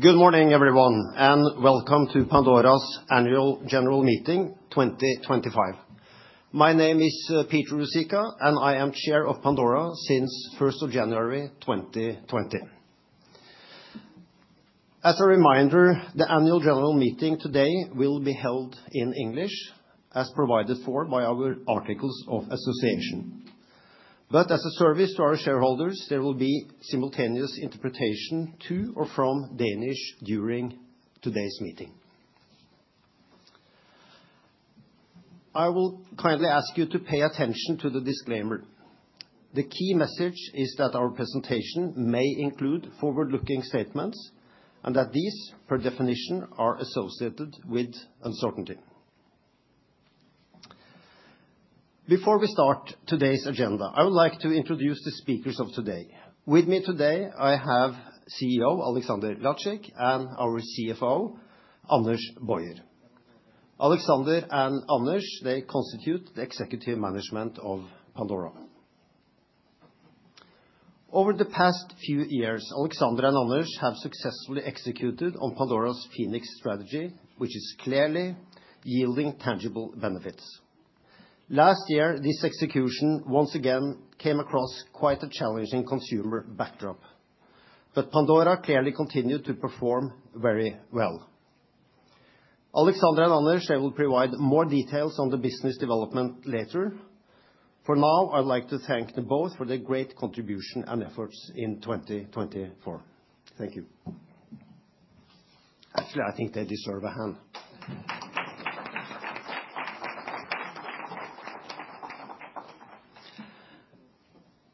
Good morning, everyone, and welcome to Pandora's Annual General Meeting 2025. My name is Peter Ruzicka, and I am Chair of Pandora since 1st of January 2020. As a reminder, the Annual General Meeting today will be held in English, as provided for by our Articles of Association. But as a service to our shareholders, there will be simultaneous interpretation to or from Danish during today's meeting. I will kindly ask you to pay attention to the disclaimer. The key message is that our presentation may include forward-looking statements and that these, by definition, are associated with uncertainty. Before we start today's agenda, I would like to introduce the speakers of today. With me today, I have CEO, Alexander Lacik and our CFO, Anders Boyer. Alexander and Anders, they constitute the executive management of Pandora. Over the past few years, Alexander and Anders have successfully executed on Pandora's Phoenix strategy, which is clearly yielding tangible benefits. Last year, this execution once again came across quite a challenging consumer backdrop, but Pandora clearly continued to perform very well. Alexander and Anders will provide more details on the business development later. For now, I'd like to thank them both for their great contribution and efforts in 2024. Thank you. Actually, I think they deserve a hand.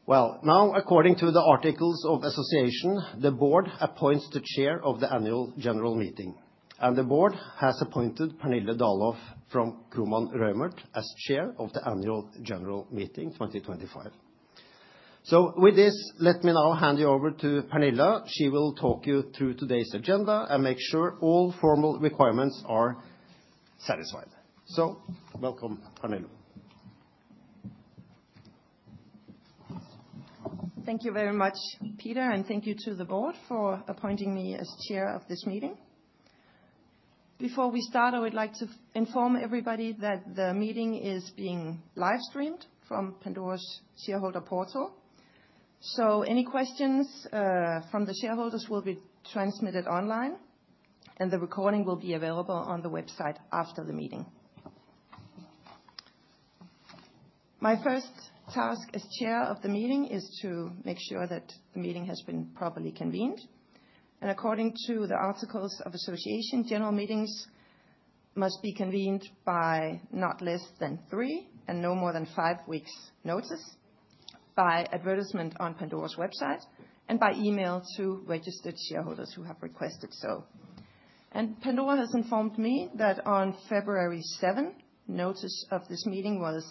Now, according to the Articles of Association, the board appoints the chair of the Annual General Meeting, and the board has appointed Pernille Dalhoff from Kromann Reumert as chair of the Annual General Meeting 2025. So with this, let me now hand you over to Pernille. She will talk you through today's agenda and make sure all formal requirements are satisfied. So welcome, Pernille. Thank you very much, Peter, and thank you to the board for appointing me as chair of this meeting. Before we start, I would like to inform everybody that the meeting is being live-streamed from Pandora's shareholder portal. So any questions from the shareholders will be transmitted online, and the recording will be available on the website after the meeting. My first task as chair of the meeting is to make sure that the meeting has been properly convened. And according to the Articles of Association, general meetings must be convened by not less than three and no more than five weeks' notice, by advertisement on Pandora's website, and by email to registered shareholders who have requested so. And Pandora has informed me that on February 7th, notice of this meeting was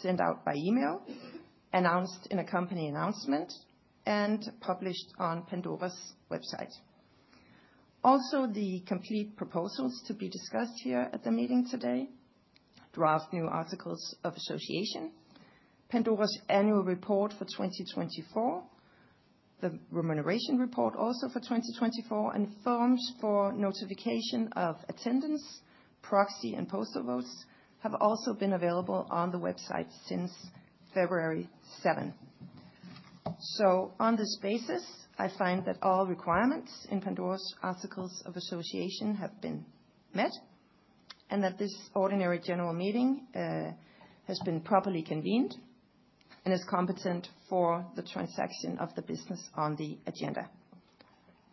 sent out by email, announced in a company announcement, and published on Pandora's website. Also, the complete proposals to be discussed here at the meeting today, draft new Articles of Association, Pandora's annual report for 2024, the remuneration report also for 2024, and forms for notification of attendance, proxy, and postal votes have also been available on the website since February 7. So on this basis, I find that all requirements in Pandora's Articles of Association have been met and that this ordinary general meeting has been properly convened and is competent for the transaction of the business on the agenda.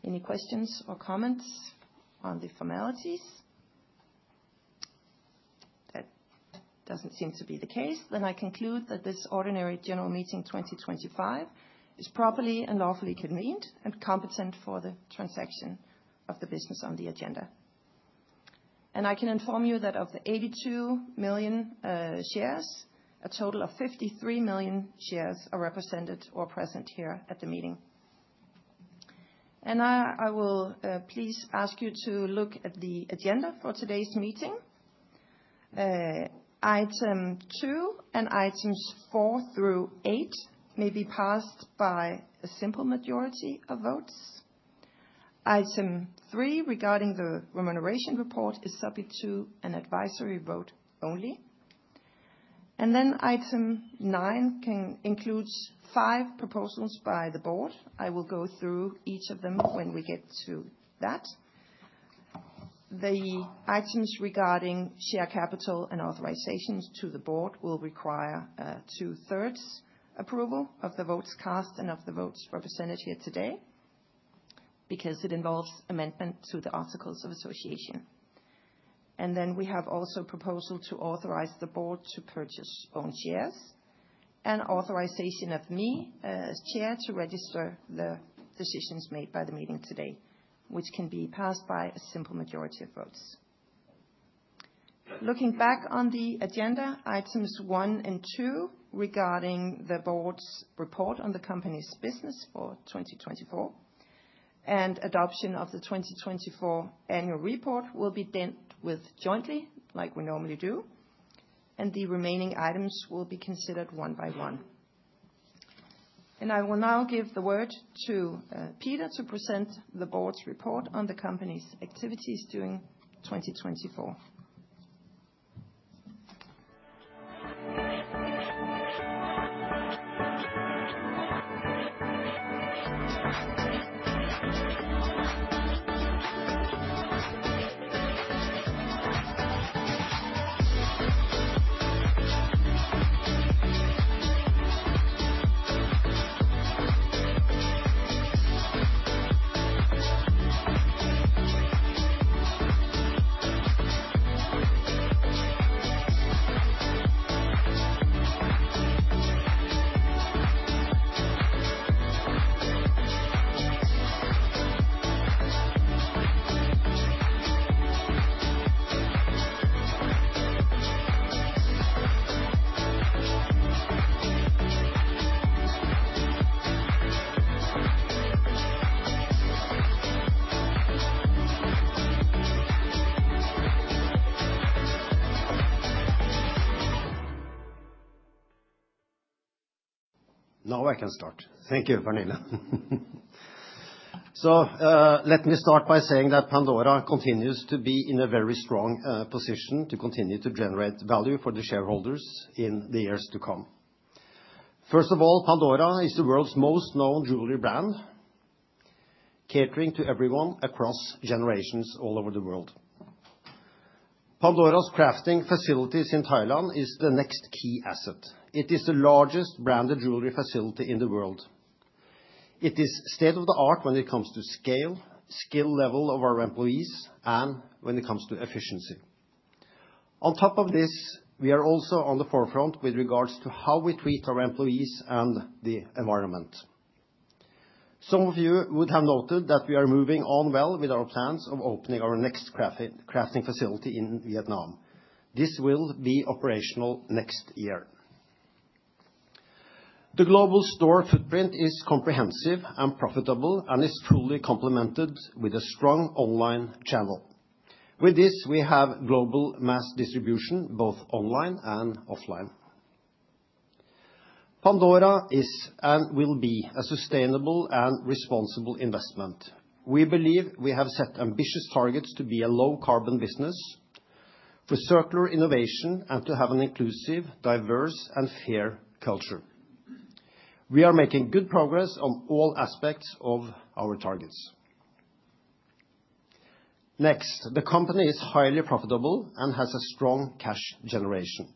Any questions or comments on the formalities? That doesn't seem to be the case. Then I conclude that this ordinary general meeting 2025 is properly and lawfully convened and competent for the transaction of the business on the agenda. I can inform you that of the 82 million shares, a total of 53 million shares are represented or present here at the meeting. I will please ask you to look at the agenda for today's meeting. Item 2 and items 4 through 8 may be passed by a simple majority of votes. Item 3 regarding the remuneration report is subject to an advisory vote only. Item 9 includes five proposals by the board. I will go through each of them when we get to that. The items regarding share capital and authorizations to the board will require two-thirds approval of the votes cast and of the votes represented here today because it involves amendment to the Articles of Association. Then we have also a proposal to authorize the board to purchase own shares and authorization of me as chair to register the decisions made by the meeting today, which can be passed by a simple majority of votes. Looking back on the agenda, items 1 and 2 regarding the board's report on the company's business for 2024 and adoption of the 2024 annual report will be dealt with jointly like we normally do, and the remaining items will be considered one by one. And I will now give the word to Peter to present the board's report on the company's activities during 2024. Now I can start. Thank you, Pernille. So let me start by saying that Pandora continues to be in a very strong position to continue to generate value for the shareholders in the years to come. First of all, Pandora is the world's most known jewelry brand, catering to everyone across generations all over the world. Pandora's crafting facilities in Thailand are the next key asset. It is the largest branded jewelry facility in the world. It is state-of-the-art when it comes to scale, skill level of our employees, and when it comes to efficiency. On top of this, we are also on the forefront with regards to how we treat our employees and the environment. Some of you would have noted that we are moving on well with our plans of opening our next crafting facility in Vietnam. This will be operational next year. The global store footprint is comprehensive and profitable and is truly complemented with a strong online channel. With this, we have global mass distribution both online and offline. Pandora is and will be a sustainable and responsible investment. We believe we have set ambitious targets to be a low-carbon business, for circular innovation, and to have an inclusive, diverse, and fair culture. We are making good progress on all aspects of our targets. Next, the company is highly profitable and has a strong cash generation.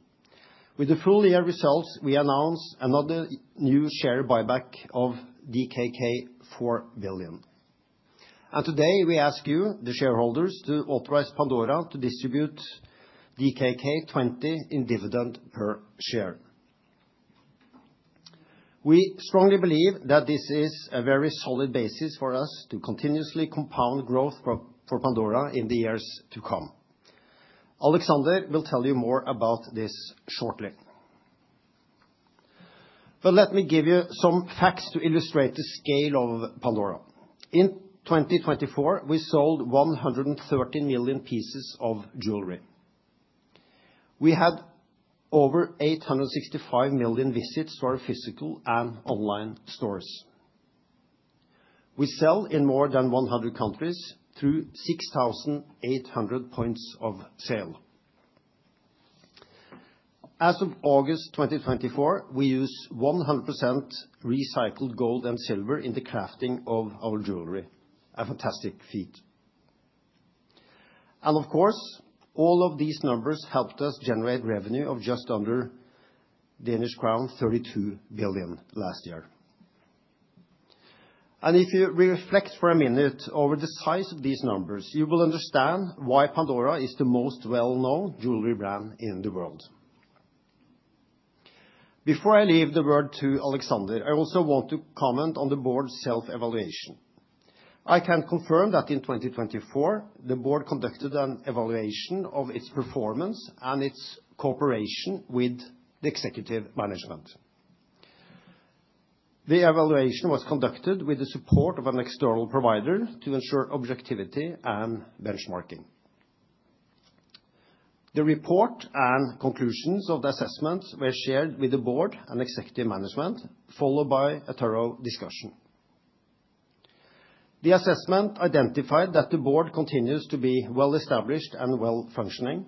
With the full year results, we announced another new share buyback of DKK 4 billion, and today, we ask you, the shareholders, to authorize Pandora to distribute DKK 20 in dividend per share. We strongly believe that this is a very solid basis for us to continuously compound growth for Pandora in the years to come. Alexander will tell you more about this shortly, but let me give you some facts to illustrate the scale of Pandora. In 2024, we sold 130 million pieces of jewelry. We had over 865 million visits to our physical and online stores. We sell in more than 100 countries through 6,800 points of sale. As of August 2024, we use 100% recycled gold and silver in the crafting of our jewelry. A fantastic feat. And of course, all of these numbers helped us generate revenue of just under Danish crown 32 billion last year. And if you reflect for a minute over the size of these numbers, you will understand why Pandora is the most well-known jewelry brand in the world. Before I leave the word to Alexander, I also want to comment on the board's self-evaluation. I can confirm that in 2024, the board conducted an evaluation of its performance and its cooperation with the executive management. The evaluation was conducted with the support of an external provider to ensure objectivity and benchmarking. The report and conclusions of the assessment were shared with the board and executive management, followed by a thorough discussion. The assessment identified that the board continues to be well-established and well-functioning,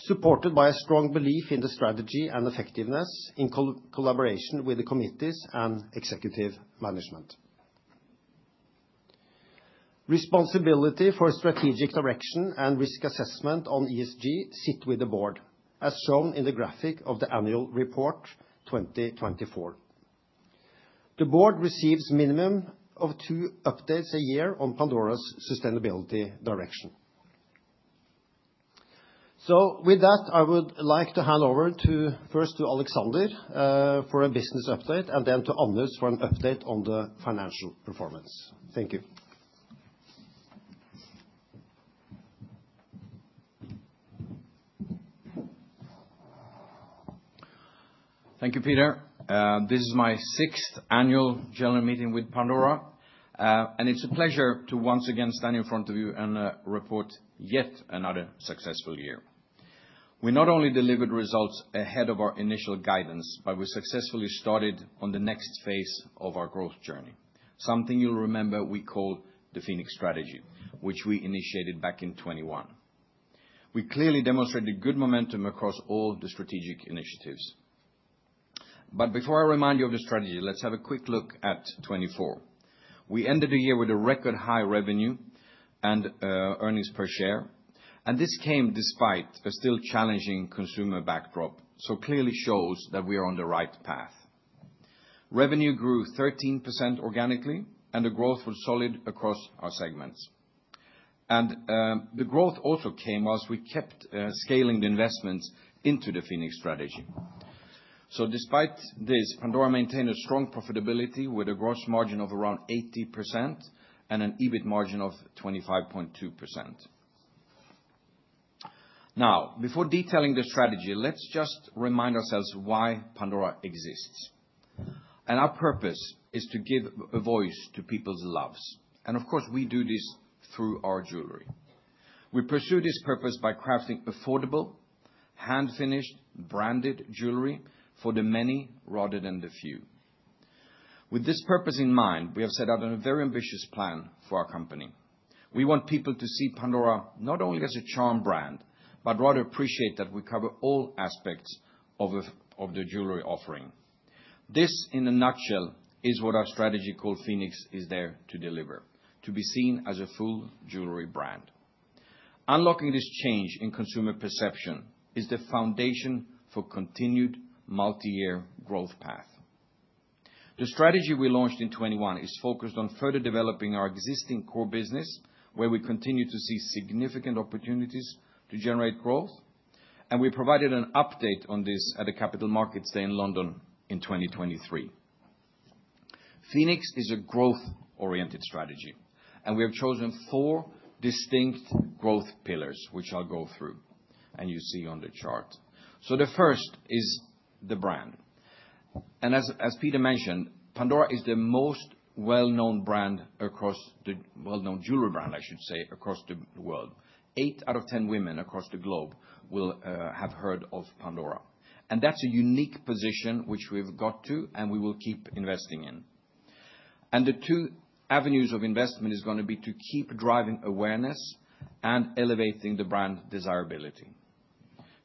supported by a strong belief in the strategy and effectiveness in collaboration with the committees and executive management. Responsibility for strategic direction and risk assessment on ESG sit with the board, as shown in the graphic of the Annual Report 2024. The board receives a minimum of two updates a year on Pandora's sustainability direction. So with that, I would like to hand over first to Alexander for a business update and then to Anders for an update on the financial performance. Thank you. Thank you, Peter. This is my sixth Annual General Meeting with Pandora, and it's a pleasure to once again stand in front of you and report yet another successful year. We not only delivered results ahead of our initial guidance, but we successfully started on the next phase of our growth journey, something you'll remember we called the Phoenix strategy, which we initiated back in 2021. We clearly demonstrated good momentum across all the strategic initiatives. But before I remind you of the strategy, let's have a quick look at 2024. We ended the year with a record high revenue and earnings per share, and this came despite a still challenging consumer backdrop, so it clearly shows that we are on the right path. Revenue grew 13% organically, and the growth was solid across our segments. The growth also came while we kept scaling the investments into the Phoenix strategy. Despite this, Pandora maintained a strong profitability with a gross margin of around 80% and an EBIT margin of 25.2%. Now, before detailing the strategy, let's just remind ourselves why Pandora exists. Our purpose is to give a voice to people's lives. Of course, we do this through our jewelry. We pursue this purpose by crafting affordable, hand-finished, branded jewelry for the many rather than the few. With this purpose in mind, we have set out a very ambitious plan for our company. We want people to see Pandora not only as a charm brand, but rather appreciate that we cover all aspects of the jewelry offering. This, in a nutshell, is what our strategy called Phoenix is there to deliver, to be seen as a full jewelry brand. Unlocking this change in consumer perception is the foundation for continued multi-year growth path. The strategy we launched in 2021 is focused on further developing our existing core business, where we continue to see significant opportunities to generate growth, and we provided an update on this at the Capital Markets Day in London in 2023. Phoenix is a growth-oriented strategy, and we have chosen four distinct growth pillars, which I'll go through and you see on the chart. So the first is the brand. And as Peter mentioned, Pandora is the most well-known brand across the well-known jewelry brand, I should say, across the world. Eight out of 10 women across the globe will have heard of Pandora. And that's a unique position which we've got to and we will keep investing in. The two avenues of investment are going to be to keep driving awareness and elevating the brand desirability.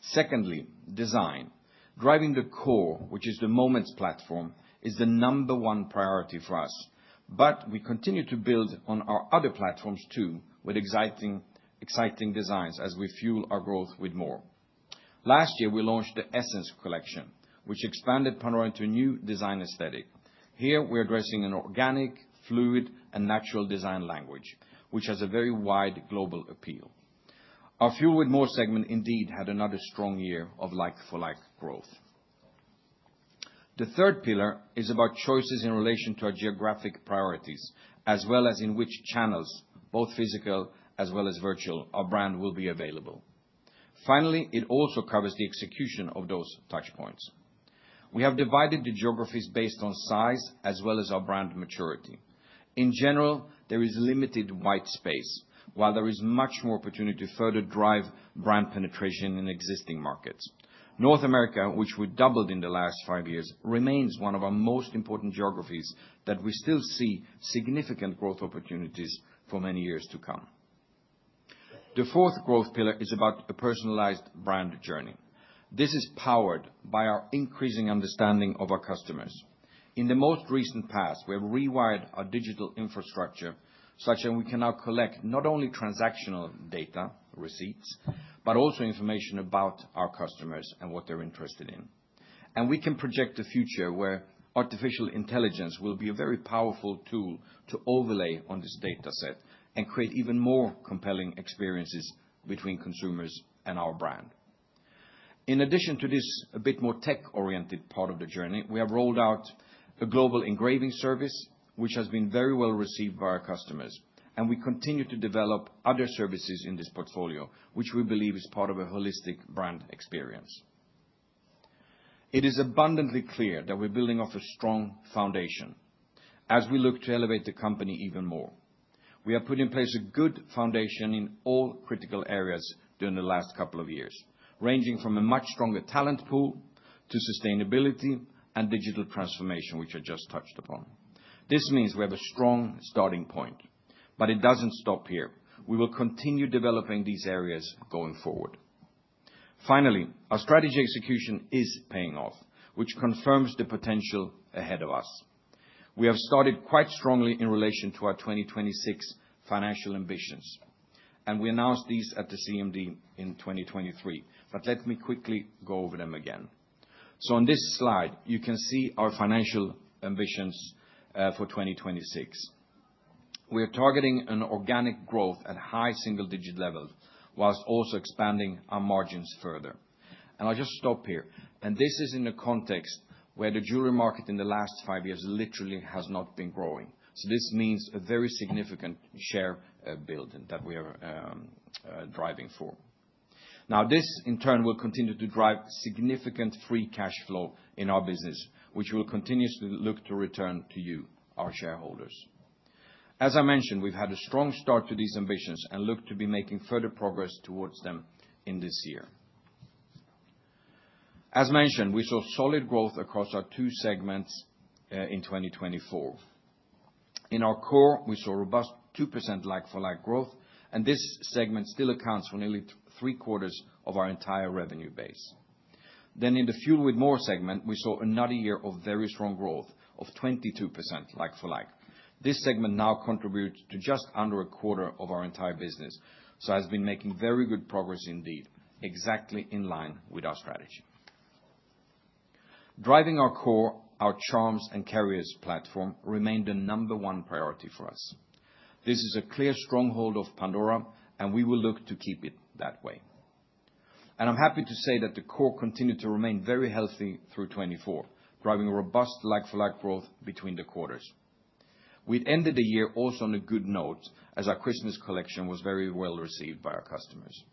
Secondly, design. Driving the core, which is the Moments platform, is the number one priority for us, but we continue to build on our other platforms too with exciting designs as we fuel our growth with more. Last year, we launched the Essence collection, which expanded Pandora into a new design aesthetic. Here, we're addressing an organic, fluid, and natural design language, which has a very wide global appeal. Our Fuel with More segment indeed had another strong year of like-for-like growth. The third pillar is about choices in relation to our geographic priorities, as well as in which channels, both physical as well as virtual, our brand will be available. Finally, it also covers the execution of those touchpoints. We have divided the geographies based on size as well as our brand maturity. In general, there is limited white space, while there is much more opportunity to further drive brand penetration in existing markets. North America, which we doubled in the last five years, remains one of our most important geographies that we still see significant growth opportunities for many years to come. The fourth growth pillar is about a personalized brand journey. This is powered by our increasing understanding of our customers. In the most recent past, we have rewired our digital infrastructure such that we can now collect not only transactional data, receipts, but also information about our customers and what they're interested in. And we can project the future where artificial intelligence will be a very powerful tool to overlay on this dataset and create even more compelling experiences between consumers and our brand. In addition to this a bit more tech-oriented part of the journey, we have rolled out a global engraving service, which has been very well received by our customers, and we continue to develop other services in this portfolio, which we believe is part of a holistic brand experience. It is abundantly clear that we're building off a strong foundation as we look to elevate the company even more. We have put in place a good foundation in all critical areas during the last couple of years, ranging from a much stronger talent pool to sustainability and digital transformation, which I just touched upon. This means we have a strong starting point, but it doesn't stop here. We will continue developing these areas going forward. Finally, our strategy execution is paying off, which confirms the potential ahead of us. We have started quite strongly in relation to our 2026 financial ambitions, and we announced these at the CMD in 2023, but let me quickly go over them again, so on this slide, you can see our financial ambitions for 2026. We are targeting an organic growth at high single-digit levels while also expanding our margins further, and I'll just stop here, and this is in the context where the jewelry market in the last five years literally has not been growing, so this means a very significant share building that we are driving for. Now, this in turn will continue to drive significant free cash flow in our business, which will continuously look to return to you, our shareholders. As I mentioned, we've had a strong start to these ambitions and look to be making further progress towards them in this year. As mentioned, we saw solid growth across our two segments in 2024. In our core, we saw robust 2% like-for-like growth, and this segment still accounts for nearly three-quarters of our entire revenue base. Then in the Fuel with More segment, we saw another year of very strong growth of 22% like-for-like. This segment now contributes to just under a quarter of our entire business, so it has been making very good progress indeed, exactly in line with our strategy. Driving our core, our charms and carriers platform remained the number one priority for us. This is a clear stronghold of Pandora, and we will look to keep it that way. And I'm happy to say that the core continued to remain very healthy through 2024, driving robust like-for-like growth between the quarters. We ended the year also on a good note as our Christmas collection was very well received by our customers.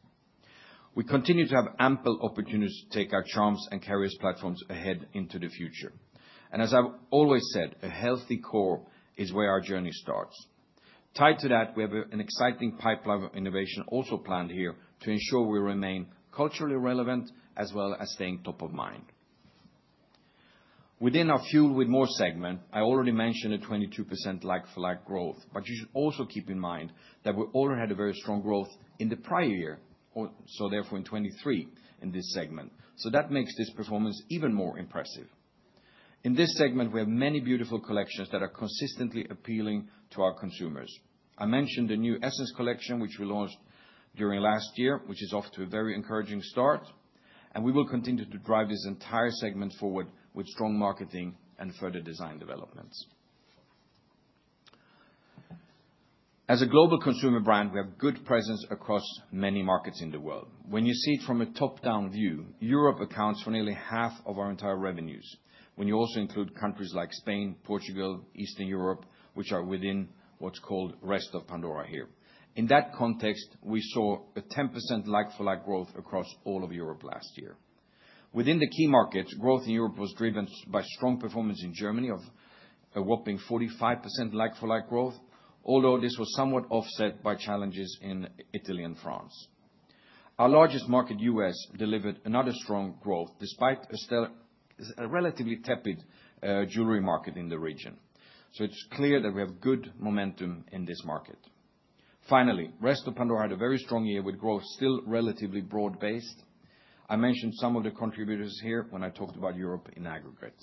We continue to have ample opportunities to take our charms and carriers platforms ahead into the future. And as I've always said, a healthy core is where our journey starts. Tied to that, we have an exciting pipeline of innovation also planned here to ensure we remain culturally relevant as well as staying top of mind. Within our Fuel with More segment, I already mentioned a 22% like-for-like growth, but you should also keep in mind that we already had a very strong growth in the prior year, so therefore in 2023 in this segment. So that makes this performance even more impressive. In this segment, we have many beautiful collections that are consistently appealing to our consumers. I mentioned the new Essence collection, which we launched during last year, which is off to a very encouraging start, and we will continue to drive this entire segment forward with strong marketing and further design developments. As a global consumer brand, we have good presence across many markets in the world. When you see it from a top-down view, Europe accounts for nearly half of our entire revenues when you also include countries like Spain, Portugal, Eastern Europe, which are within what's called Rest of Pandora here. In that context, we saw a 10% like-for-like growth across all of Europe last year. Within the key markets, growth in Europe was driven by strong performance in Germany of a whopping 45% like-for-like growth, although this was somewhat offset by challenges in Italy and France. Our largest market, U.S., delivered another strong growth despite a relatively tepid jewelry market in the region, so it's clear that we have good momentum in this market. Finally, rest of Pandora had a very strong year with growth still relatively broad-based. I mentioned some of the contributors here when I talked about Europe in aggregate.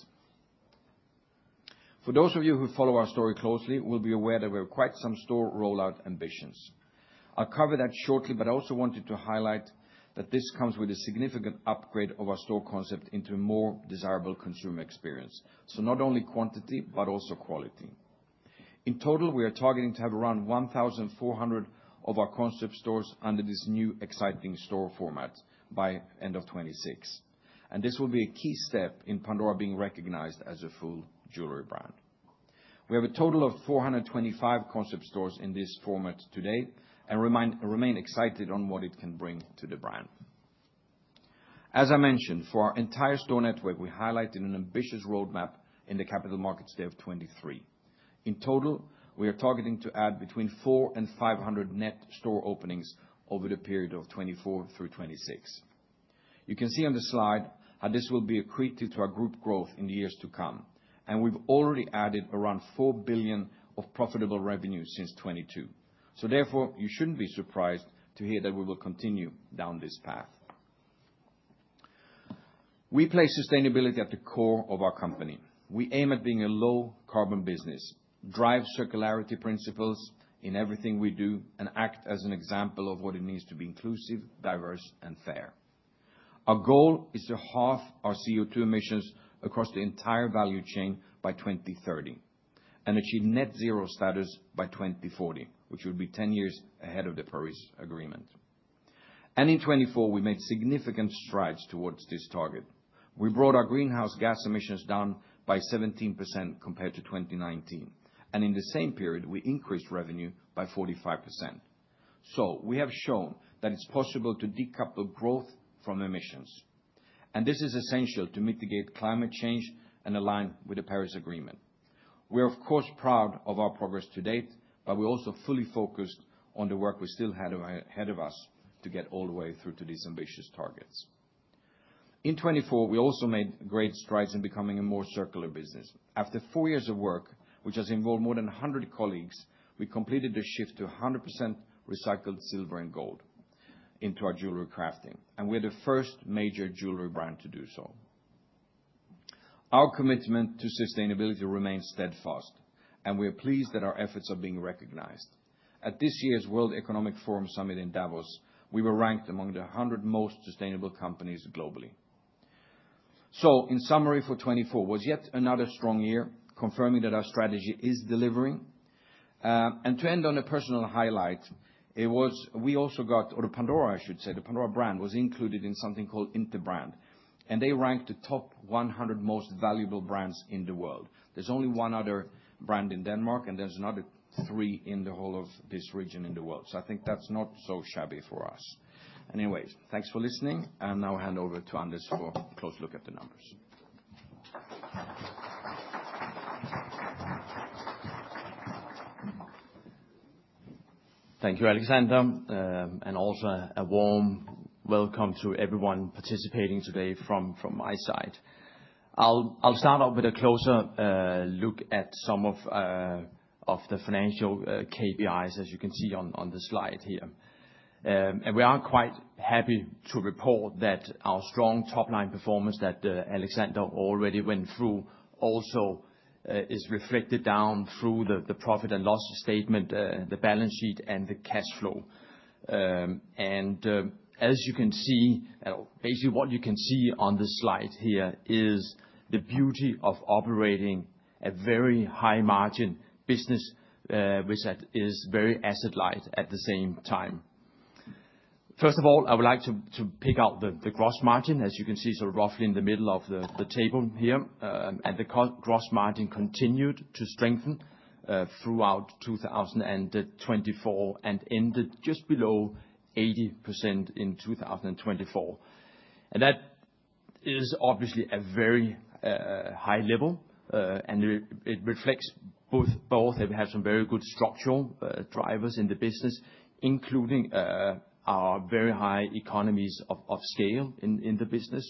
For those of you who follow our story closely, you will be aware that we have quite some store rollout ambitions. I'll cover that shortly, but I also wanted to highlight that this comes with a significant upgrade of our store concept into a more desirable consumer experience, so not only quantity but also quality. In total, we are targeting to have around 1,400 of our concept stores under this new exciting store format by end of 2026, and this will be a key step in Pandora being recognized as a full jewelry brand. We have a total of 425 concept stores in this format today and remain excited on what it can bring to the brand. As I mentioned, for our entire store network, we highlighted an ambitious roadmap in the Capital Markets Day of 2023. In total, we are targeting to add between 400 and 500 net store openings over the period of 2024 through 2026. You can see on the slide how this will be accretive to our group growth in the years to come, and we've already added around 4 billion of profitable revenue since 2022. So therefore, you shouldn't be surprised to hear that we will continue down this path. We place sustainability at the core of our company. We aim at being a low-carbon business, drive circularity principles in everything we do, and act as an example of what it means to be inclusive, diverse, and fair. Our goal is to halve our CO2 emissions across the entire value chain by 2030 and achieve net zero status by 2040, which would be 10 years ahead of the Paris Agreement. And in 2024, we made significant strides towards this target. We brought our greenhouse gas emissions down by 17% compared to 2019, and in the same period, we increased revenue by 45%. So we have shown that it's possible to decouple growth from emissions, and this is essential to mitigate climate change and align with the Paris Agreement. We are, of course, proud of our progress to date, but we're also fully focused on the work we still have ahead of us to get all the way through to these ambitious targets. In 2024, we also made great strides in becoming a more circular business. After four years of work, which has involved more than 100 colleagues, we completed the shift to 100% recycled silver and gold into our jewelry crafting, and we are the first major jewelry brand to do so. Our commitment to sustainability remains steadfast, and we are pleased that our efforts are being recognized. At this year's World Economic Forum Summit in Davos, we were ranked among the 100 most sustainable companies globally. So in summary for 2024, it was yet another strong year, confirming that our strategy is delivering, and to end on a personal highlight, we also got - or the Pandora, I should say, the Pandora brand was included in something called Interbrand, and they ranked the top 100 most valuable brands in the world. There's only one other brand in Denmark, and there's another three in the whole of this region in the world. So I think that's not so shabby for us. Anyways, thanks for listening, and now I'll hand over to Anders for a close look at the numbers. Thank you, Alexander, and also a warm welcome to everyone participating today from my side. I'll start off with a closer look at some of the financial KPIs, as you can see on the slide here. And we are quite happy to report that our strong top-line performance that Alexander already went through also is reflected down through the profit and loss statement, the balance sheet, and the cash flow. And as you can see, basically what you can see on the slide here is the beauty of operating a very high-margin business, which is very asset-light at the same time. First of all, I would like to pick out the gross margin, as you can see, so roughly in the middle of the table here, and the gross margin continued to strengthen throughout 2024 and ended just below 80% in 2024, and that is obviously a very high level, and it reflects both that we have some very good structural drivers in the business, including our very high economies of scale in the business,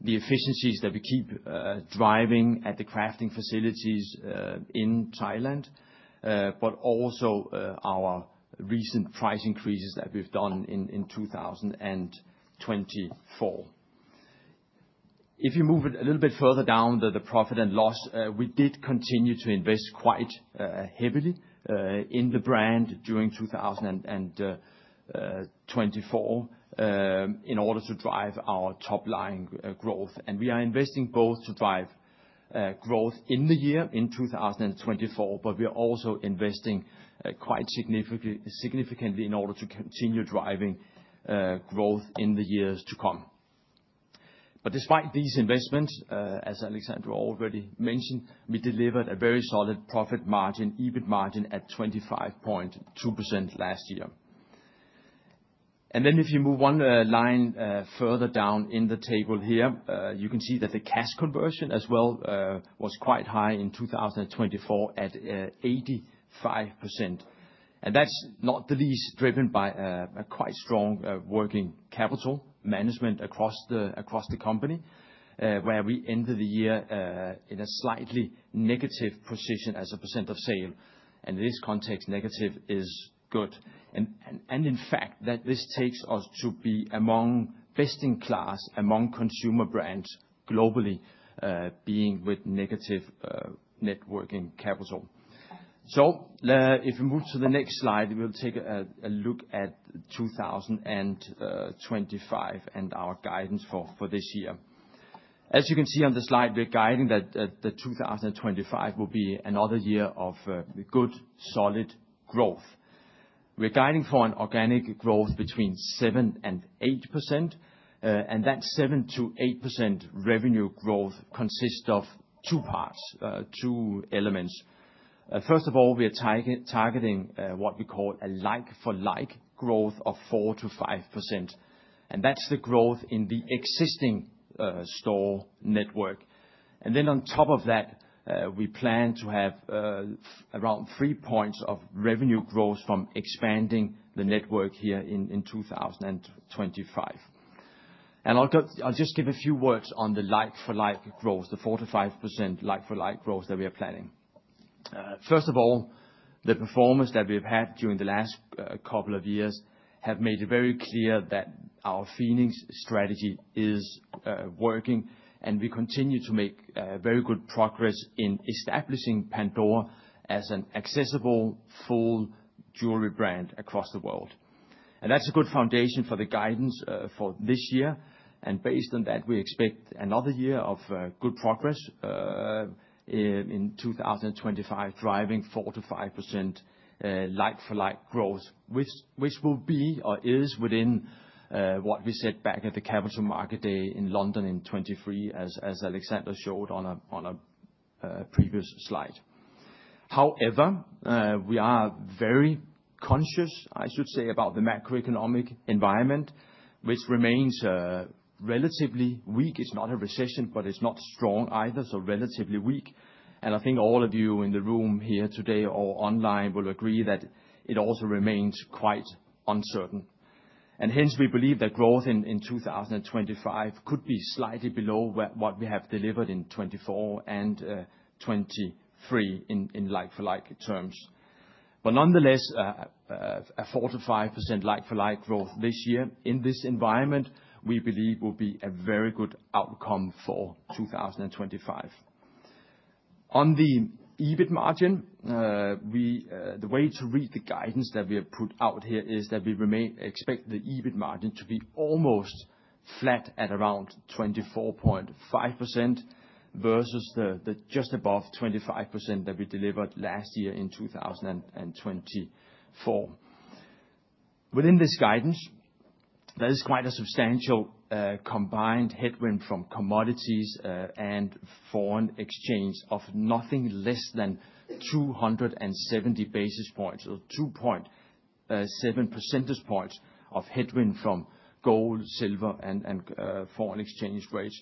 the efficiencies that we keep driving at the crafting facilities in Thailand, but also our recent price increases that we've done in 2024. If you move a little bit further down the profit and loss, we did continue to invest quite heavily in the brand during 2024 in order to drive our top-line growth. And we are investing both to drive growth in the year in 2024, but we are also investing quite significantly in order to continue driving growth in the years to come. But despite these investments, as Alexander already mentioned, we delivered a very solid profit margin, EBIT margin at 25.2% last year. And then if you move one line further down in the table here, you can see that the cash conversion as well was quite high in 2024 at 85%. And that's not the least driven by quite strong working capital management across the company, where we ended the year in a slightly negative position as a percent of sale. And in this context, negative is good. And in fact, this takes us to be among best-in-class, among consumer brands globally being with negative net working capital. So if we move to the next slide, we'll take a look at 2025 and our guidance for this year. As you can see on the slide, we're guiding that 2025 will be another year of good solid growth. We're guiding for an organic growth between 7% and 8%, and that 7%-8% revenue growth consists of two parts, two elements. First of all, we are targeting what we call a like-for-like growth of 4%-5%, and that's the growth in the existing store network. And then on top of that, we plan to have around three points of revenue growth from expanding the network here in 2025. And I'll just give a few words on the like-for-like growth, the 4%-5% like-for-like growth that we are planning. First of all, the performance that we've had during the last couple of years has made it very clear that our Phoenix strategy is working, and we continue to make very good progress in establishing Pandora as an accessible full jewelry brand across the world. And that's a good foundation for the guidance for this year. And based on that, we expect another year of good progress in 2025, driving 4%-5% like-for-like growth, which will be or is within what we said back at the Capital Markets Day in London in 2023, as Alexander showed on a previous slide. However, we are very conscious, I should say, about the macroeconomic environment, which remains relatively weak. It's not a recession, but it's not strong either, so relatively weak. And I think all of you in the room here today or online will agree that it also remains quite uncertain. Hence, we believe that growth in 2025 could be slightly below what we have delivered in 2024 and 2023 in like-for-like terms. Nonetheless, a 4%-5% like-for-like growth this year in this environment, we believe, will be a very good outcome for 2025. On the EBIT margin, the way to read the guidance that we have put out here is that we expect the EBIT margin to be almost flat at around 24.5% versus just above 25% that we delivered last year in 2024. Within this guidance, there is quite a substantial combined headwind from commodities and foreign exchange of nothing less than 270 basis points or 2.7 percentage points of headwind from gold, silver, and foreign exchange rates.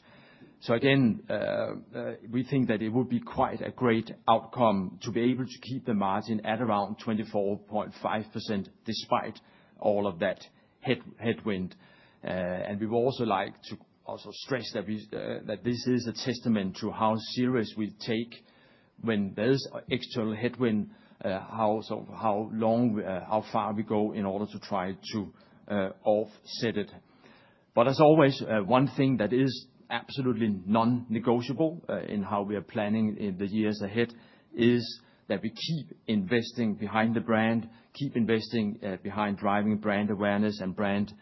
Again, we think that it would be quite a great outcome to be able to keep the margin at around 24.5% despite all of that headwind. We would also like to stress that this is a testament to how serious we take when there is external headwind, how far we go in order to try to offset it. As always, one thing that is absolutely non-negotiable in how we are planning in the years ahead is that we keep investing behind the brand, keep investing behind driving brand awareness and brand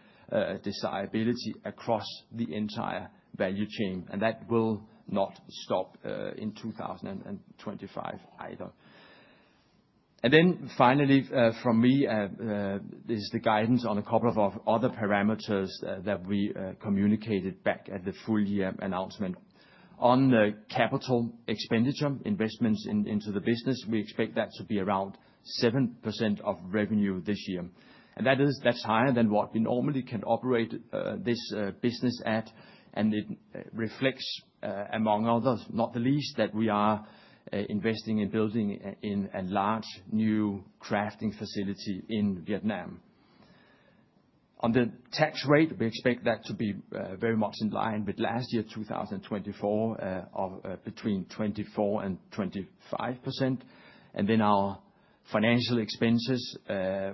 desirability across the entire value chain, and that will not stop in 2025 either. Then finally, from me, this is the guidance on a couple of other parameters that we communicated back at the full year announcement. On capital expenditure, investments into the business, we expect that to be around 7% of revenue this year. That's higher than what we normally can operate this business at, and it reflects, among others, not the least, that we are investing in building a large new crafting facility in Vietnam. On the tax rate, we expect that to be very much in line with last year, 2024, of between 24% and 25%. Then our financial expenses,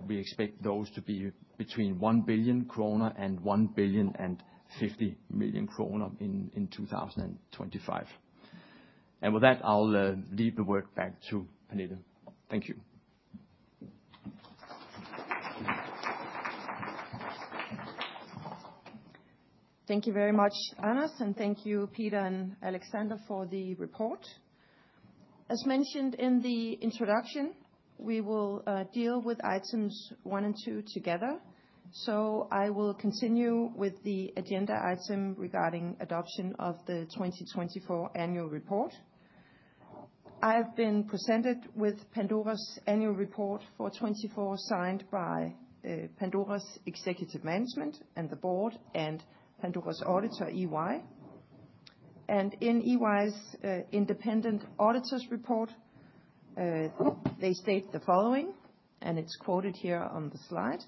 we expect those to be between 1 billion kroner and 1.05 billion in 2025. With that, I'll leave the word back to Pernille. Thank you. Thank you very much, Anders, and thank you, Peter, and Alexander for the report. As mentioned in the introduction, we will deal with items one and two together. I will continue with the agenda item regarding adoption of the 2024 annual report. I have been presented with Pandora's annual report for 2024, signed by Pandora's executive management and the board and Pandora's auditor, EY. And in EY's independent auditor's report, they state the following, and it's quoted here on the slide.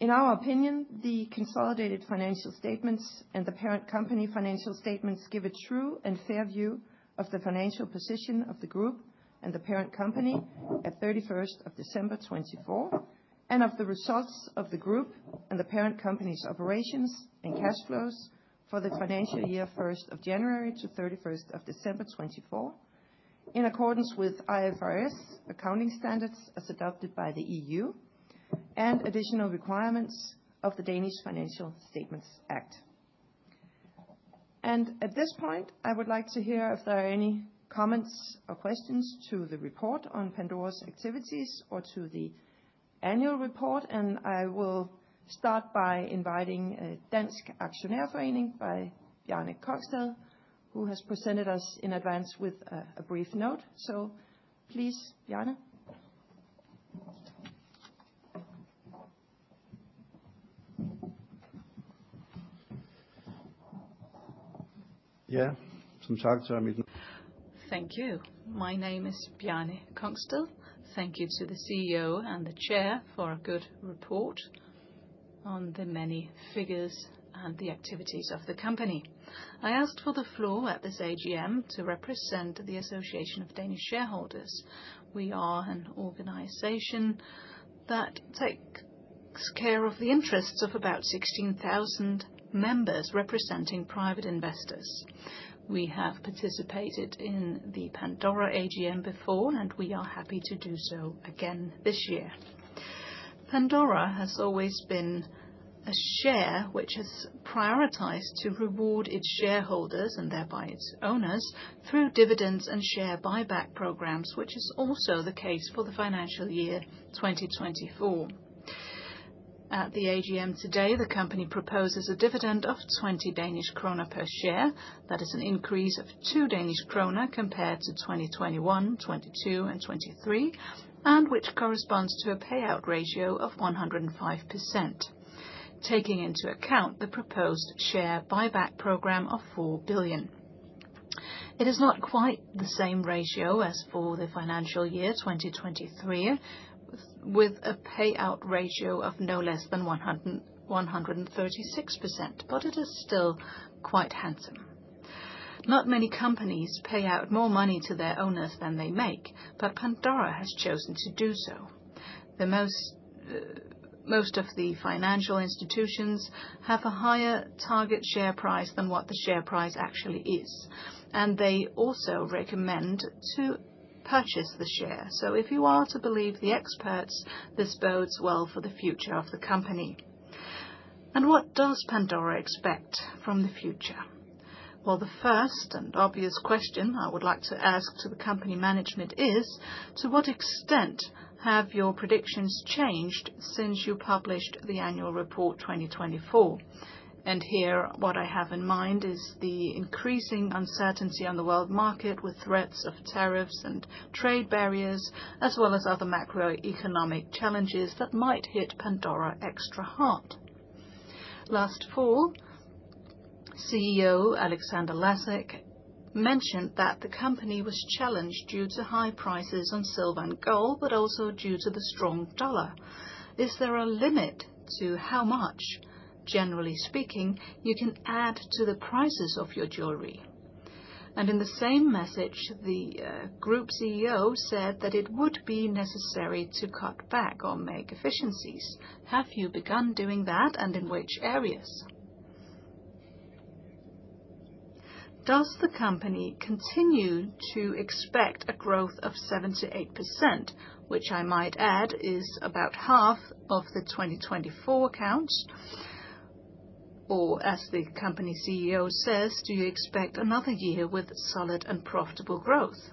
In our opinion, the consolidated financial statements and the parent company financial statements give a true and fair view of the financial position of the group and the parent company at 31st of December 2024 and of the results of the group and the parent company's operations and cash flows for the financial year 1st of January to 31st of December 2024, in accordance with IFRS accounting standards as adopted by the EU and additional requirements of the Danish Financial Statements Act. At this point, I would like to hear if there are any comments or questions to the report on Pandora's activities or to the annual report, and I will start by inviting Dansk Aktionærforening by Bjarne Kongsted, who has presented us in advance with a brief note. So please, Bjarne. Thank you. My name is Bjarne Kongsted. Thank you to the CEO and the chair for a good report on the many figures and the activities of the company. I asked for the floor at this AGM to represent the Association of Danish Shareholders. We are an organization that takes care of the interests of about 16,000 members representing private investors. We have participated in the Pandora AGM before, and we are happy to do so again this year. Pandora has always been a share which has prioritized to reward its shareholders and thereby its owners through dividends and share buyback programs, which is also the case for the financial year 2024. At the AGM today, the company proposes a dividend of 20 Danish krone per share. That is an increase of 2 Danish krone compared to 2021, 2022, and 2023, and which corresponds to a payout ratio of 105%, taking into account the proposed share buyback program of 4 billion. It is not quite the same ratio as for the financial year 2023, with a payout ratio of no less than 136%, but it is still quite handsome. Not many companies pay out more money to their owners than they make, but Pandora has chosen to do so. Most of the financial institutions have a higher target share price than what the share price actually is, and they also recommend to purchase the share, so if you are to believe the experts, this bodes well for the future of the company, and what does Pandora expect from the future? Well, the first and obvious question I would like to ask to the company management is, to what extent have your predictions changed since you published the annual report 2024, and here, what I have in mind is the increasing uncertainty on the world market with threats of tariffs and trade barriers, as well as other macroeconomic challenges that might hit Pandora extra hard. Last fall, CEO Alexander Lacik mentioned that the company was challenged due to high prices on silver and gold, but also due to the strong dollar. Is there a limit to how much, generally speaking, you can add to the prices of your jewelry? And in the same message, the group CEO said that it would be necessary to cut back on make efficiencies. Have you begun doing that, and in which areas? Does the company continue to expect a growth of 7%-8%, which I might add is about half of the 2024 accounts? Or, as the company CEO says, do you expect another year with solid and profitable growth?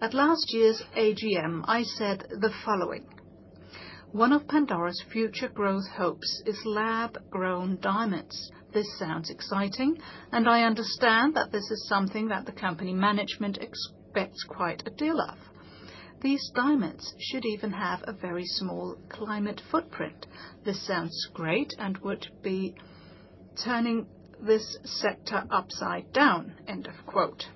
At last year's AGM, I said the following. One of Pandora's future growth hopes is lab-grown diamonds. This sounds exciting, and I understand that this is something that the company management expects quite a deal of. These diamonds should even have a very small climate footprint. This sounds great and would be turning this sector upside down, end of quote.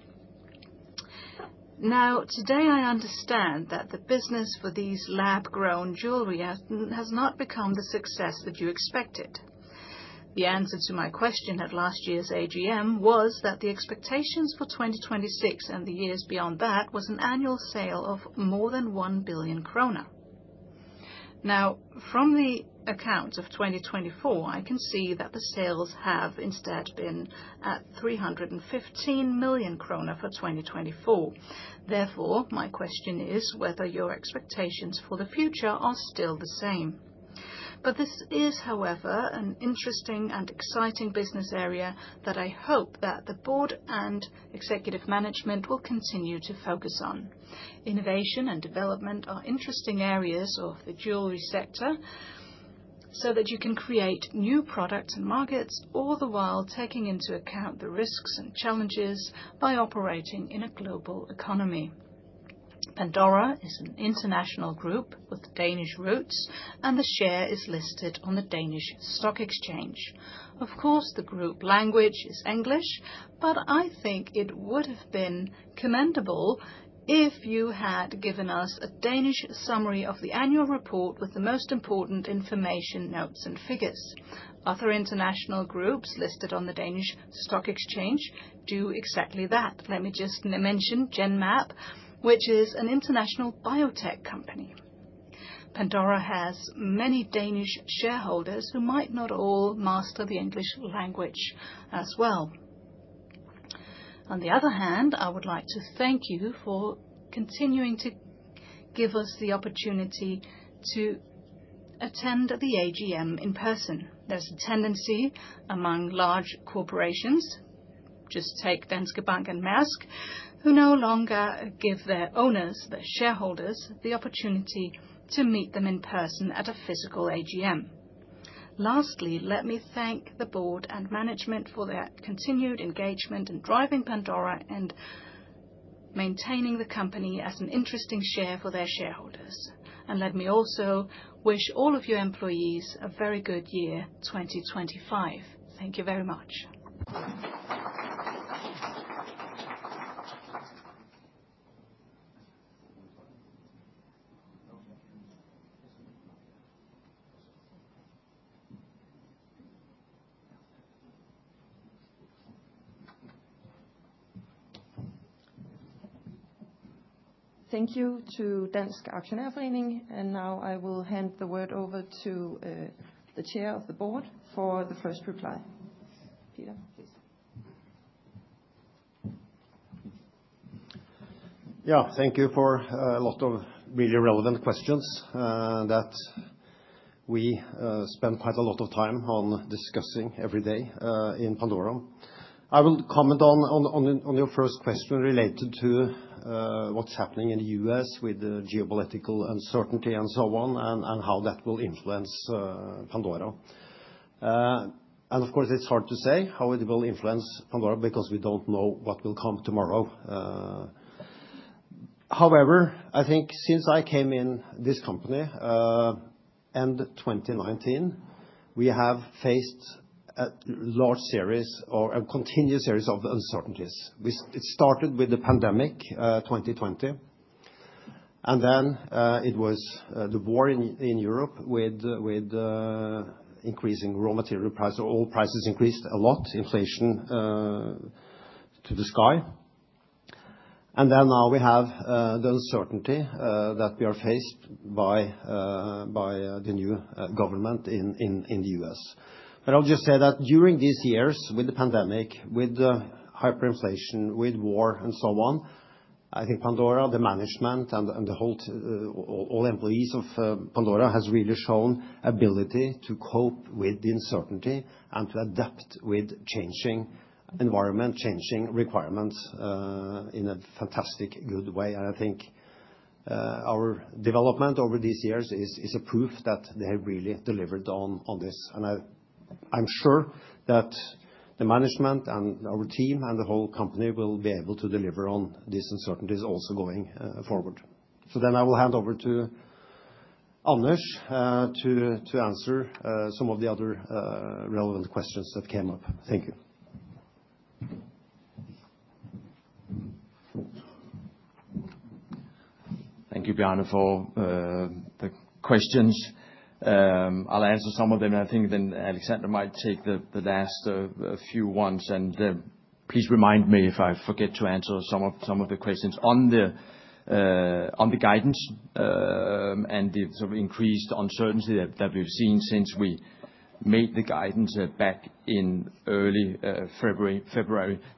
Now, today, I understand that the business for these lab-grown jewelry has not become the success that you expected. The answer to my question at last year's AGM was that the expectations for 2026 and the years beyond that was an annual sale of more than 1 billion krone. Now, from the accounts of 2024, I can see that the sales have instead been at 315 million kroner for 2024. Therefore, my question is whether your expectations for the future are still the same. But this is, however, an interesting and exciting business area that I hope that the board and executive management will continue to focus on. Innovation and development are interesting areas of the jewelry sector so that you can create new products and markets all the while taking into account the risks and challenges by operating in a global economy. Pandora is an international group with Danish roots, and the share is listed on the Danish Stock Exchange. Of course, the group language is English, but I think it would have been commendable if you had given us a Danish summary of the annual report with the most important information, notes, and figures. Other international groups listed on the Danish Stock Exchange do exactly that. Let me just mention Genmab, which is an international biotech company. Pandora has many Danish shareholders who might not all master the English language as well. On the other hand, I would like to thank you for continuing to give us the opportunity to attend the AGM in person. There's a tendency among large corporations, just take Danske Bank and Maersk, who no longer give their owners, their shareholders, the opportunity to meet them in person at a physical AGM. Lastly, let me thank the board and management for their continued engagement in driving Pandora and maintaining the company as an interesting share for their shareholders, and let me also wish all of your employees a very good year 2025. Thank you very much. Thank you to Danske Aktionærforening, and now I will hand the word over to the chair of the board for the first reply. Peter, please. Yeah, thank you for a lot of really relevant questions that we spend quite a lot of time on discussing every day in Pandora. I will comment on your first question related to what's happening in the U.S. with the geopolitical uncertainty and so on, and how that will influence Pandora, and of course, it's hard to say how it will influence Pandora because we don't know what will come tomorrow. However, I think since I came in this company end 2019, we have faced a large series or a continuous series of uncertainties. It started with the pandemic 2020, and then it was the war in Europe with increasing raw material prices. All prices increased a lot, inflation to the sky. And then now we have the uncertainty that we are faced by the new government in the U.S. But I'll just say that during these years with the pandemic, with the hyperinflation, with war and so on, I think Pandora, the management and all employees of Pandora has really shown ability to cope with the uncertainty and to adapt with changing environment, changing requirements in a fantastic good way, and I think our development over these years is a proof that they have really delivered on this. I'm sure that the management and our team and the whole company will be able to deliver on these uncertainties also going forward. So then I will hand over to Anders to answer some of the other relevant questions that came up. Thank you. Thank you, Bjarne, for the questions. I'll answer some of them, and I think then Alexander might take the last few ones. Please remind me if I forget to answer some of the questions on the guidance and the sort of increased uncertainty that we've seen since we made the guidance back in early February.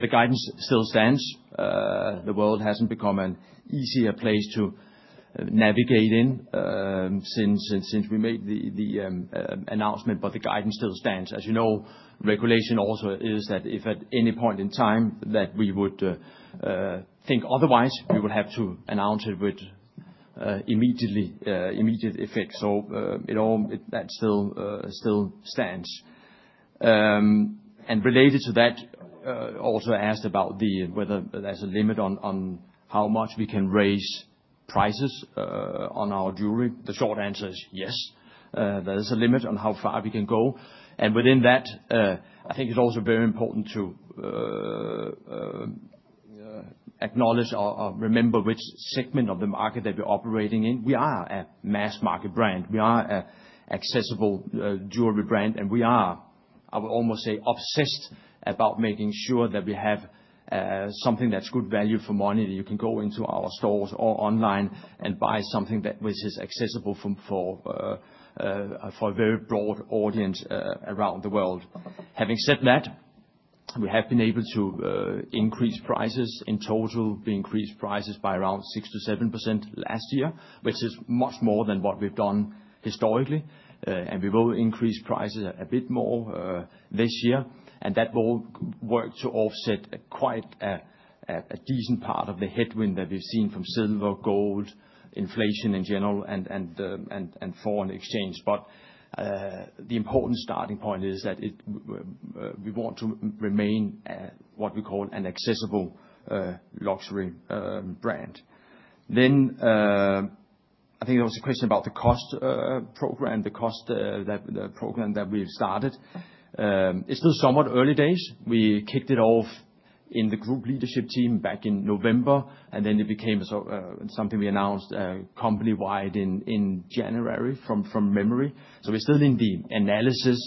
The guidance still stands. The world hasn't become an easier place to navigate in since we made the announcement, but the guidance still stands. As you know, regulation also is that if at any point in time that we would think otherwise, we will have to announce it with immediate effect. So that still stands. And related to that, also asked about whether there's a limit on how much we can raise prices on our jewelry. The short answer is yes. There is a limit on how far we can go. And within that, I think it's also very important to acknowledge or remember which segment of the market that we're operating in. We are a mass market brand. We are an accessible jewelry brand, and we are, I would almost say, obsessed about making sure that we have something that's good value for money that you can go into our stores or online and buy something that is accessible for a very broad audience around the world. Having said that, we have been able to increase prices in total. We increased prices by around 6%-7% last year, which is much more than what we've done historically, and we will increase prices a bit more this year, and that will work to offset quite a decent part of the headwind that we've seen from silver, gold, inflation in general, and foreign exchange, but the important starting point is that we want to remain what we call an accessible luxury brand, then I think there was a question about the cost program, the cost program that we've started. It's still somewhat early days. We kicked it off in the group leadership team back in November, and then it became something we announced company-wide in January from memory, so we're still in the analysis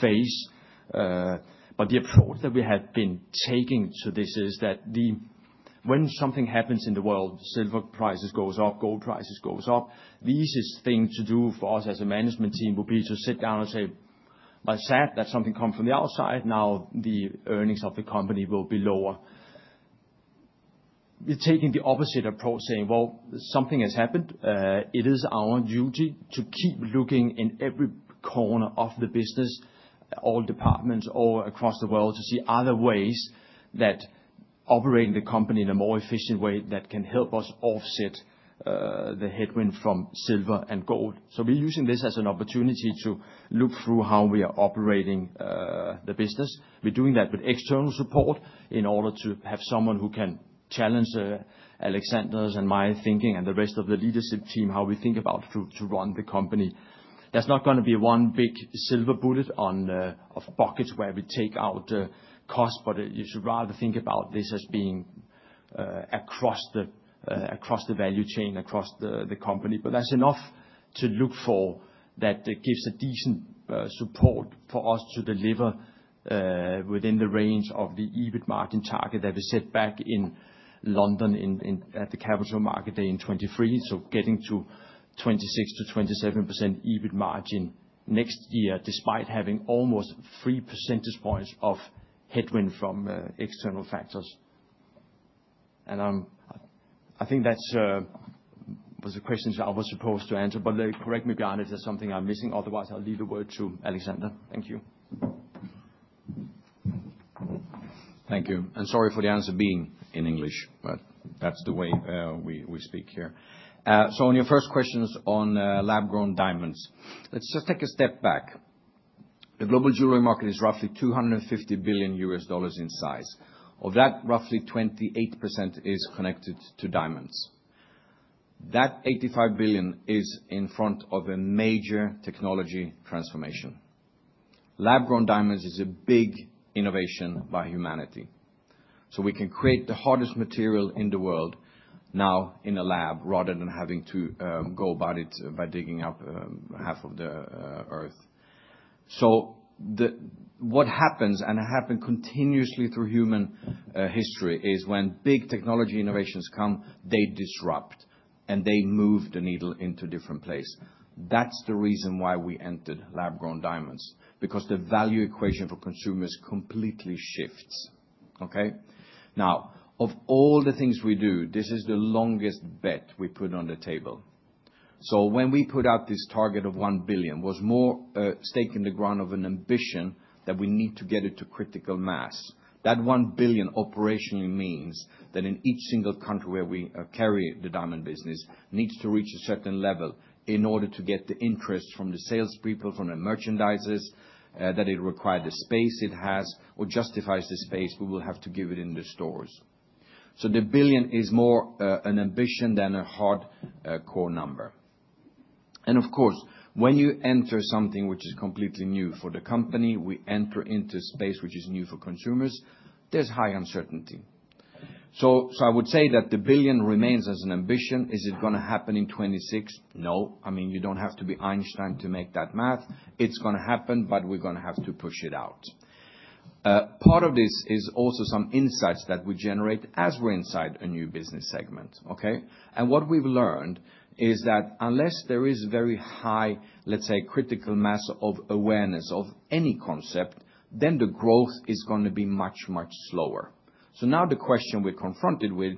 phase. The approach that we have been taking to this is that when something happens in the world, silver prices goes up, gold prices goes up, the easiest thing to do for us as a management team would be to sit down and say, "Well, sad, that something comes from the outside. Now the earnings of the company will be lower." We're taking the opposite approach, saying, "Well, something has happened." It is our duty to keep looking in every corner of the business, all departments all across the world, to see other ways that operate in the company in a more efficient way that can help us offset the headwind from silver and gold. So we're using this as an opportunity to look through how we are operating the business. We're doing that with external support in order to have someone who can challenge Alexander's and my thinking and the rest of the leadership team, how we think about to run the company. There's not going to be one big silver bullet of pockets where we take out cost, but you should rather think about this as being across the value chain, across the company. But that's enough to look for that gives a decent support for us to deliver within the range of the EBIT margin target that we set back in London at the Capital Markets Day in 2023. So getting to 26%-27% EBIT margin next year, despite having almost 3 percentage points of headwind from external factors. And I think that was a question I was supposed to answer, but correct me, Bjarne, if there's something I'm missing. Otherwise, I'll leave the word to Alexander. Thank you. Thank you. And sorry for the answer being in English, but that's the way we speak here. So on your first questions on lab-grown diamonds, let's just take a step back. The global jewelry market is roughly $250 billion in size. Of that, roughly 28% is connected to diamonds. That $85 billion is in front of a major technology transformation. Lab-grown diamonds is a big innovation by humanity. So we can create the hardest material in the world now in a lab rather than having to go about it by digging up half of the earth. So what happens, and it happened continuously through human history, is when big technology innovations come, they disrupt and they move the needle into different places. That's the reason why we entered lab-grown diamonds, because the value equation for consumers completely shifts. Okay? Now, of all the things we do, this is the longest bet we put on the table. So when we put out this target of 1 billion, it was more staking the ground of an ambition that we need to get it to critical mass. That 1 billion operationally means that in each single country where we carry the diamond business needs to reach a certain level in order to get the interest from the salespeople, from the merchandisers that it requires, the space it has, or justifies the space we will have to give it in the stores. So the billion is more an ambition than a hard core number. And of course, when you enter something which is completely new for the company, we enter into a space which is new for consumers, there's high uncertainty. So I would say that the billion remains as an ambition. Is it going to happen in 2026? No. I mean, you don't have to be Einstein to make that math. It's going to happen, but we're going to have to push it out. Part of this is also some insights that we generate as we're inside a new business segment. Okay? And what we've learned is that unless there is very high, let's say, critical mass of awareness of any concept, then the growth is going to be much, much slower. So now the question we're confronted with,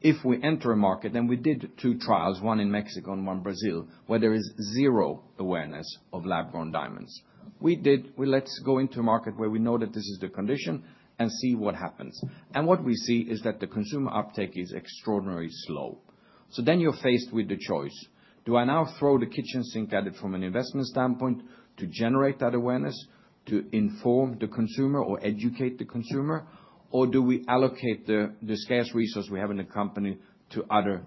if we enter a market, and we did two trials, one in Mexico and one Brazil, where there is zero awareness of lab-grown diamonds. We did, let's go into a market where we know that this is the condition and see what happens. And what we see is that the consumer uptake is extraordinarily slow. So then you're faced with the choice. Do I now throw the kitchen sink at it from an investment standpoint to generate that awareness, to inform the consumer or educate the consumer, or do we allocate the scarce resource we have in the company to other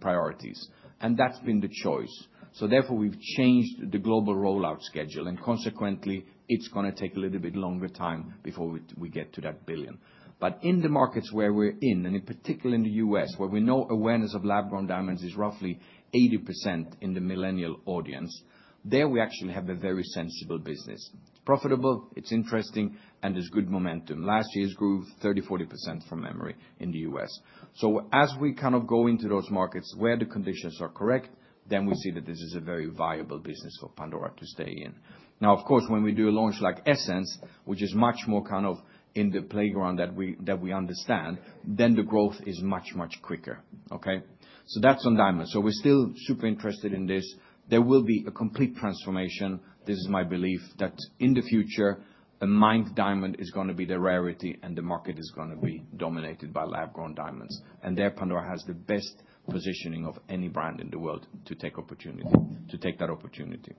priorities? And that's been the choice. So therefore, we've changed the global rollout schedule, and consequently, it's going to take a little bit longer time before we get to that billion. But in the markets where we're in, and in particular in the U.S., where we know awareness of lab-grown diamonds is roughly 80% in the millennial audience, there we actually have a very sensible business. It's profitable, it's interesting, and there's good momentum. Last year, it grew 30%-40% from memory in the U.S. So as we kind of go into those markets where the conditions are correct, then we see that this is a very viable business for Pandora to stay in. Now, of course, when we do a launch like Essence, which is much more kind of in the playground that we understand, then the growth is much, much quicker. Okay? So that's on diamonds. So we're still super interested in this. There will be a complete transformation. This is my belief that in the future, a mined diamond is going to be the rarity, and the market is going to be dominated by lab-grown diamonds. And there Pandora has the best positioning of any brand in the world to take that opportunity.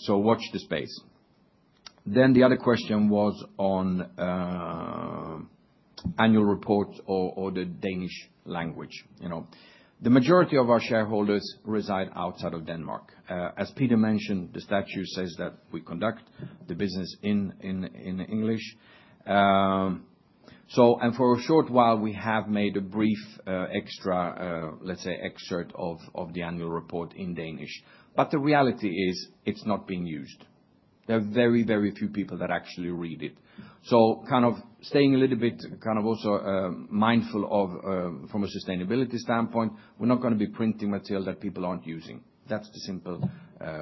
So watch the space. Then the other question was on annual reports or the Danish language. The majority of our shareholders reside outside of Denmark. As Peter mentioned, the statute says that we conduct the business in English, and for a short while, we have made a brief extra, let's say, excerpt of the annual report in Danish, but the reality is it's not being used. There are very, very few people that actually read it, so kind of staying a little bit kind of also mindful from a sustainability standpoint, we're not going to be printing material that people aren't using. That's the simple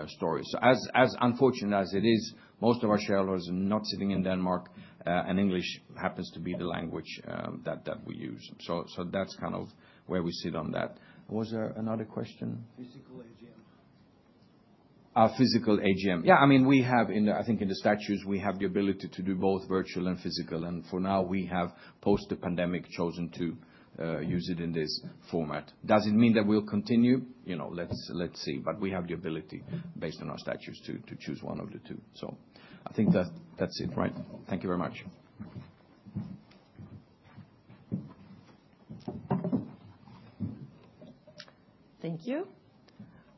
story, so as unfortunate as it is, most of our shareholders are not sitting in Denmark, and English happens to be the language that we use, so that's kind of where we sit on that. Was there another question? Physical AGM. Physical AGM. Yeah. I mean, I think in the statutes, we have the ability to do both virtual and physical. And for now, we have, post the pandemic, chosen to use it in this format. Does it mean that we'll continue? Let's see. But we have the ability, based on our statutes, to choose one of the two. So I think that's it, right? Thank you very much. Thank you.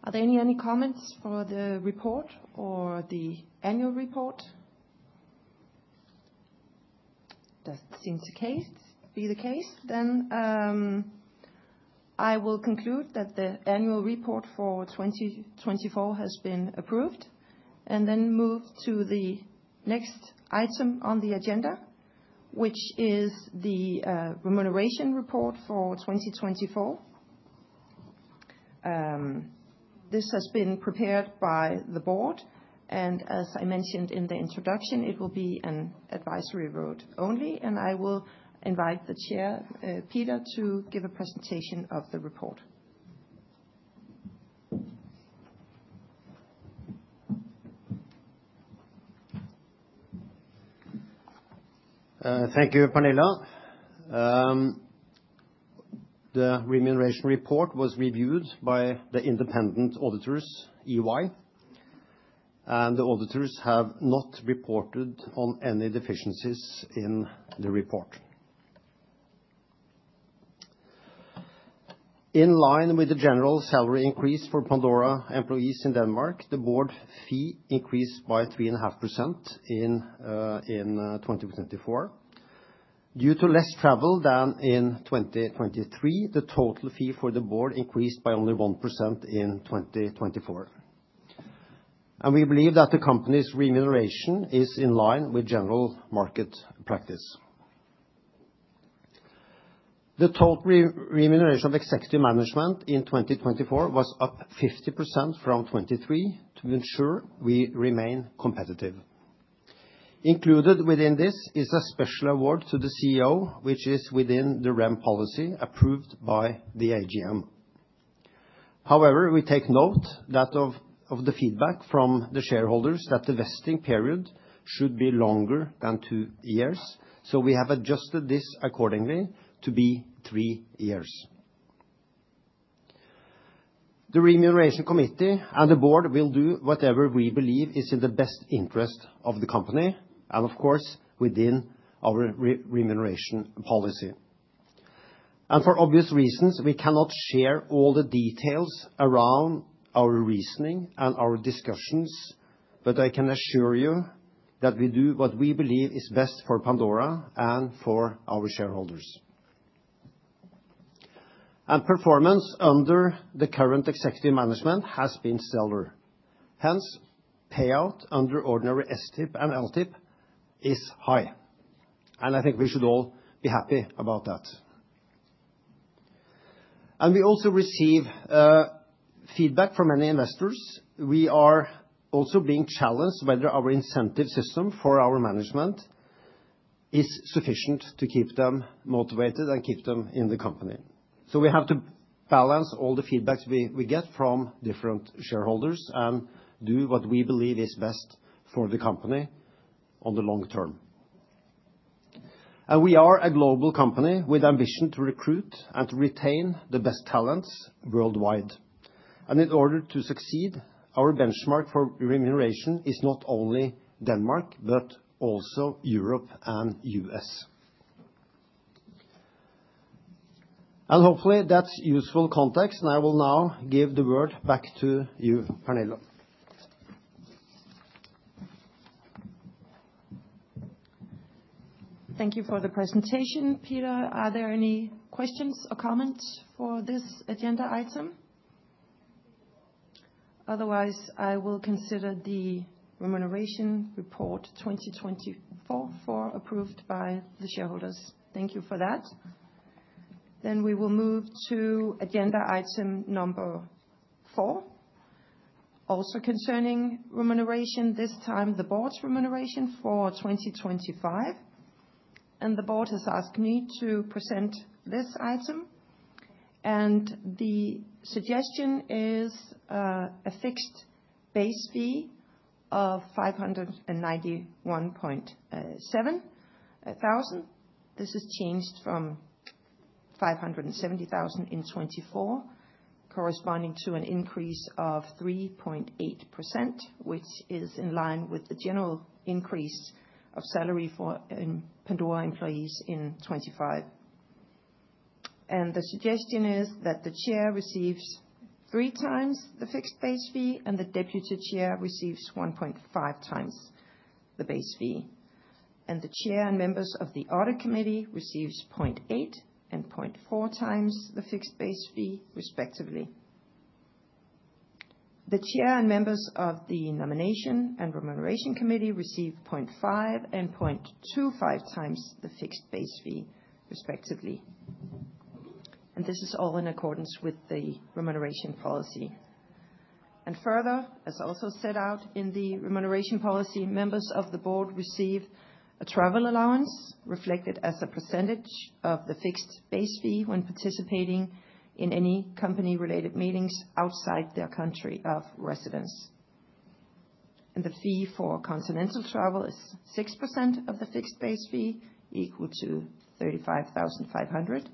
Are there any comments for the report or the annual report? Does it seem to be the case? Then I will conclude that the annual report for 2024 has been approved and then move to the next item on the agenda, which is the remuneration report for 2024. This has been prepared by the board. And as I mentioned in the introduction, it will be an advisory vote only. And I will invite the chair, Peter, to give a presentation of the report. Thank you, Pernille. The remuneration report was reviewed by the independent auditors, EY. The auditors have not reported on any deficiencies in the report. In line with the general salary increase for Pandora employees in Denmark, the board fee increased by 3.5% in 2024. Due to less travel than in 2023, the total fee for the board increased by only 1% in 2024. We believe that the company's remuneration is in line with general market practice. The total remuneration of executive management in 2024 was up 50% from 2023 to ensure we remain competitive. Included within this is a special award to the CEO, which is within the Rem policy approved by the AGM. However, we take note of the feedback from the shareholders that the vesting period should be longer than two years. We have adjusted this accordingly to be three years. The remuneration committee and the board will do whatever we believe is in the best interest of the company and, of course, within our remuneration policy, and for obvious reasons, we cannot share all the details around our reasoning and our discussions, but I can assure you that we do what we believe is best for Pandora and for our shareholders, and performance under the current executive management has been stellar. Hence, payout under ordinary STIP and LTIP is high, and I think we should all be happy about that, and we also receive feedback from many investors. We are also being challenged whether our incentive system for our management is sufficient to keep them motivated and keep them in the company. We have to balance all the feedbacks we get from different shareholders and do what we believe is best for the company on the long term. And we are a global company with ambition to recruit and to retain the best talents worldwide. And in order to succeed, our benchmark for remuneration is not only Denmark, but also Europe and U.S. And hopefully, that's useful context. And I will now give the word back to you, Pernille. Thank you for the presentation, Peter. Are there any questions or comments for this agenda item? Otherwise, I will consider the 2024 remuneration report approved by the shareholders. Thank you for that. We will move to agenda item number four, also concerning remuneration, this time the board's remuneration for 2025. And the board has asked me to present this item. The suggestion is a fixed base fee of 591,700. This is changed from 570,000 in 2024, corresponding to an increase of 3.8%, which is in line with the general increase of salary for Pandora employees in 2025. The suggestion is that the chair receives three times the fixed base fee, and the deputy chair receives 1.5x the base fee. The chair and members of the audit committee receive 0.8x and 0.4x the fixed base fee, respectively. The chair and members of the nomination and remuneration committee receive 0.5 and 0.25x the fixed base fee, respectively. This is all in accordance with the remuneration policy. Further, as also set out in the remuneration policy, members of the board receive a travel allowance reflected as a percentage of the fixed base fee when participating in any company-related meetings outside their country of residence. The fee for continental travel is 6% of the fixed base fee, equal to 35,500.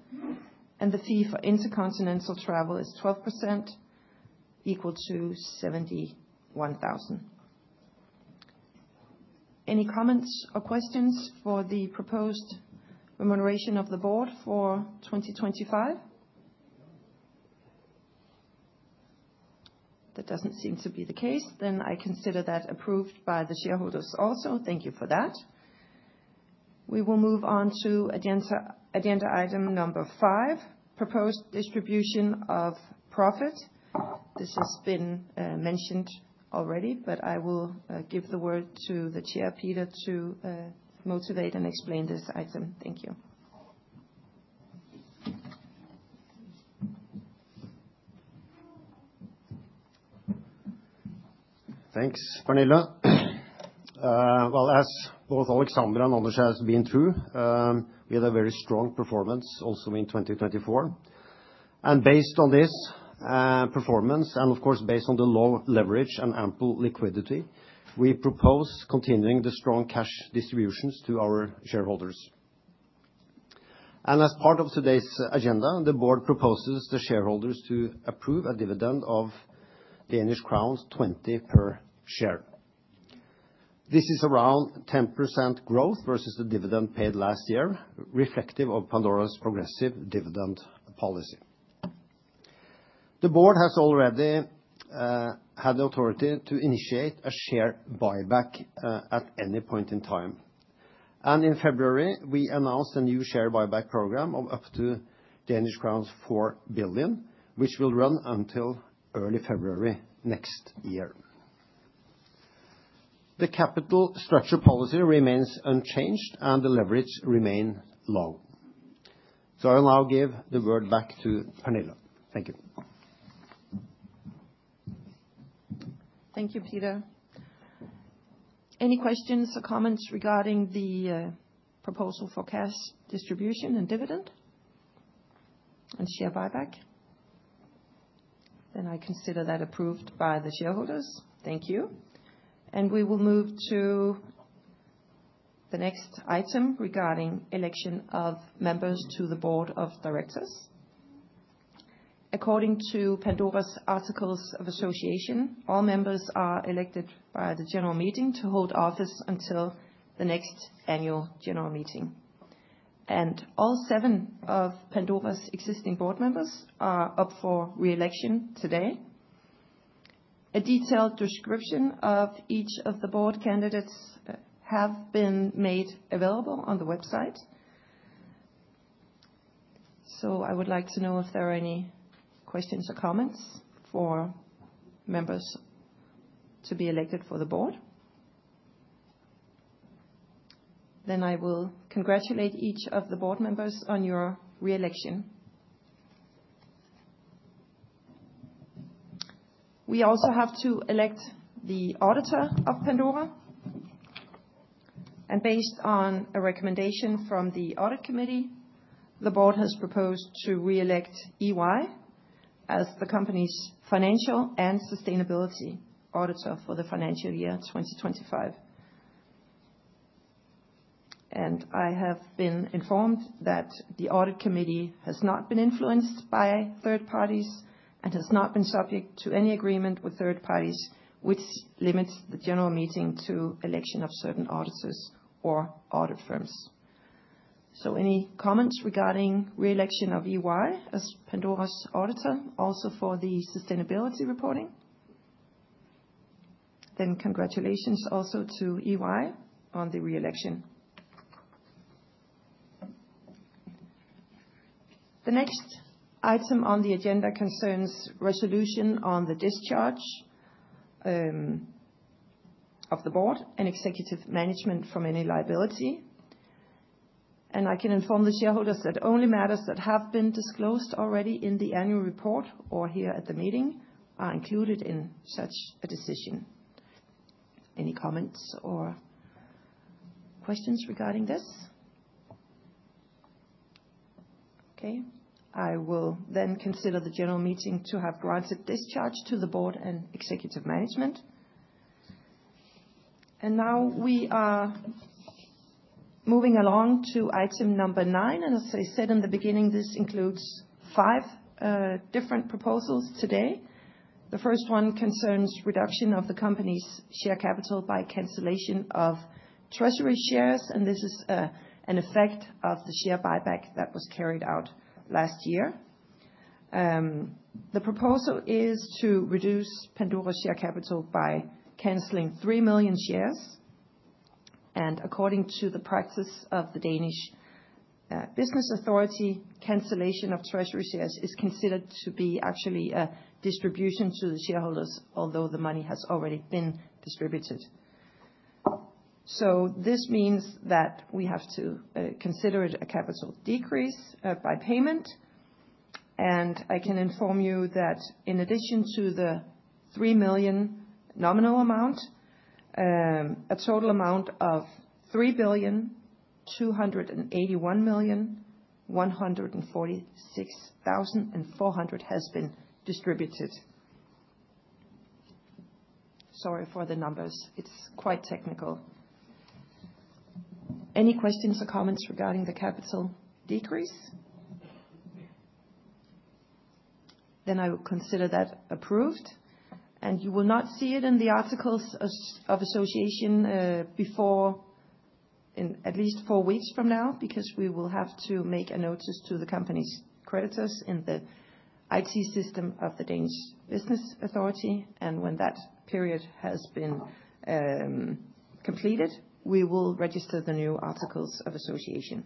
The fee for intercontinental travel is 12%, equal to 71,000. Any comments or questions for the proposed remuneration of the board for 2025? That doesn't seem to be the case. Then I consider that approved by the shareholders also. Thank you for that. We will move on to agenda item number five, proposed distribution of profit. This has been mentioned already, but I will give the word to the chair, Peter, to motivate and explain this item. Thank you. Thanks, Pernille. Well, as both Alexander and Anders have been through, we had a very strong performance also in 2024. Based on this performance, and of course, based on the low leverage and ample liquidity, we propose continuing the strong cash distributions to our shareholders. As part of today's agenda, the board proposes the shareholders to approve a dividend of Danish crowns 20 per share. This is around 10% growth versus the dividend paid last year, reflective of Pandora's progressive dividend policy. The board has already had the authority to initiate a share buyback at any point in time. And in February, we announced a new share buyback program of up to Danish crowns 4 billion, which will run until early February next year. The capital structure policy remains unchanged, and the leverage remains low. So I will now give the word back to Pernille. Thank you. Thank you, Peter. Any questions or comments regarding the proposal for cash distribution and dividend and share buyback? Then I consider that approved by the shareholders. Thank you. And we will move to the next item regarding election of members to the board of directors. According to Pandora's Articles of Association, all members are elected by the general meeting to hold office until the next annual general meeting. And all seven of Pandora's existing board members are up for re-election today. A detailed description of each of the board candidates has been made available on the website. So I would like to know if there are any questions or comments for members to be elected for the board. Then I will congratulate each of the board members on your re-election. We also have to elect the auditor of Pandora. And based on a recommendation from the audit committee, the board has proposed to re-elect EY as the company's financial and sustainability auditor for the financial year 2025. And I have been informed that the audit committee has not been influenced by third parties and has not been subject to any agreement with third parties, which limits the general meeting to the election of certain auditors or audit firms. So any comments regarding re-election of EY as Pandora's auditor, also for the sustainability reporting? Then congratulations also to EY on the re-election. The next item on the agenda concerns resolution on the discharge of the board and executive management from any liability. And I can inform the shareholders that only matters that have been disclosed already in the annual report or here at the meeting are included in such a decision. Any comments or questions regarding this? Okay. I will then consider the general meeting to have granted discharge to the board and executive management. And now we are moving along to item number nine. As I said in the beginning, this includes five different proposals today. The first one concerns reduction of the company's share capital by cancellation of treasury shares. And this is an effect of the share buyback that was carried out last year. The proposal is to reduce Pandora's share capital by cancelling 3 million shares. And according to the practice of the Danish Business Authority, cancellation of treasury shares is considered to be actually a distribution to the shareholders, although the money has already been distributed. So this means that we have to consider it a capital decrease by payment. And I can inform you that in addition to the 3 million nominal amount, a total amount of 3,281,146,400 has been distributed. Sorry for the numbers. It's quite technical. Any questions or comments regarding the capital decrease? Then I will consider that approved. You will not see it in the Articles of Association before at least four weeks from now because we will have to make a notice to the company's creditors in the IT system of the Danish Business Authority. When that period has been completed, we will register the new Articles of Association.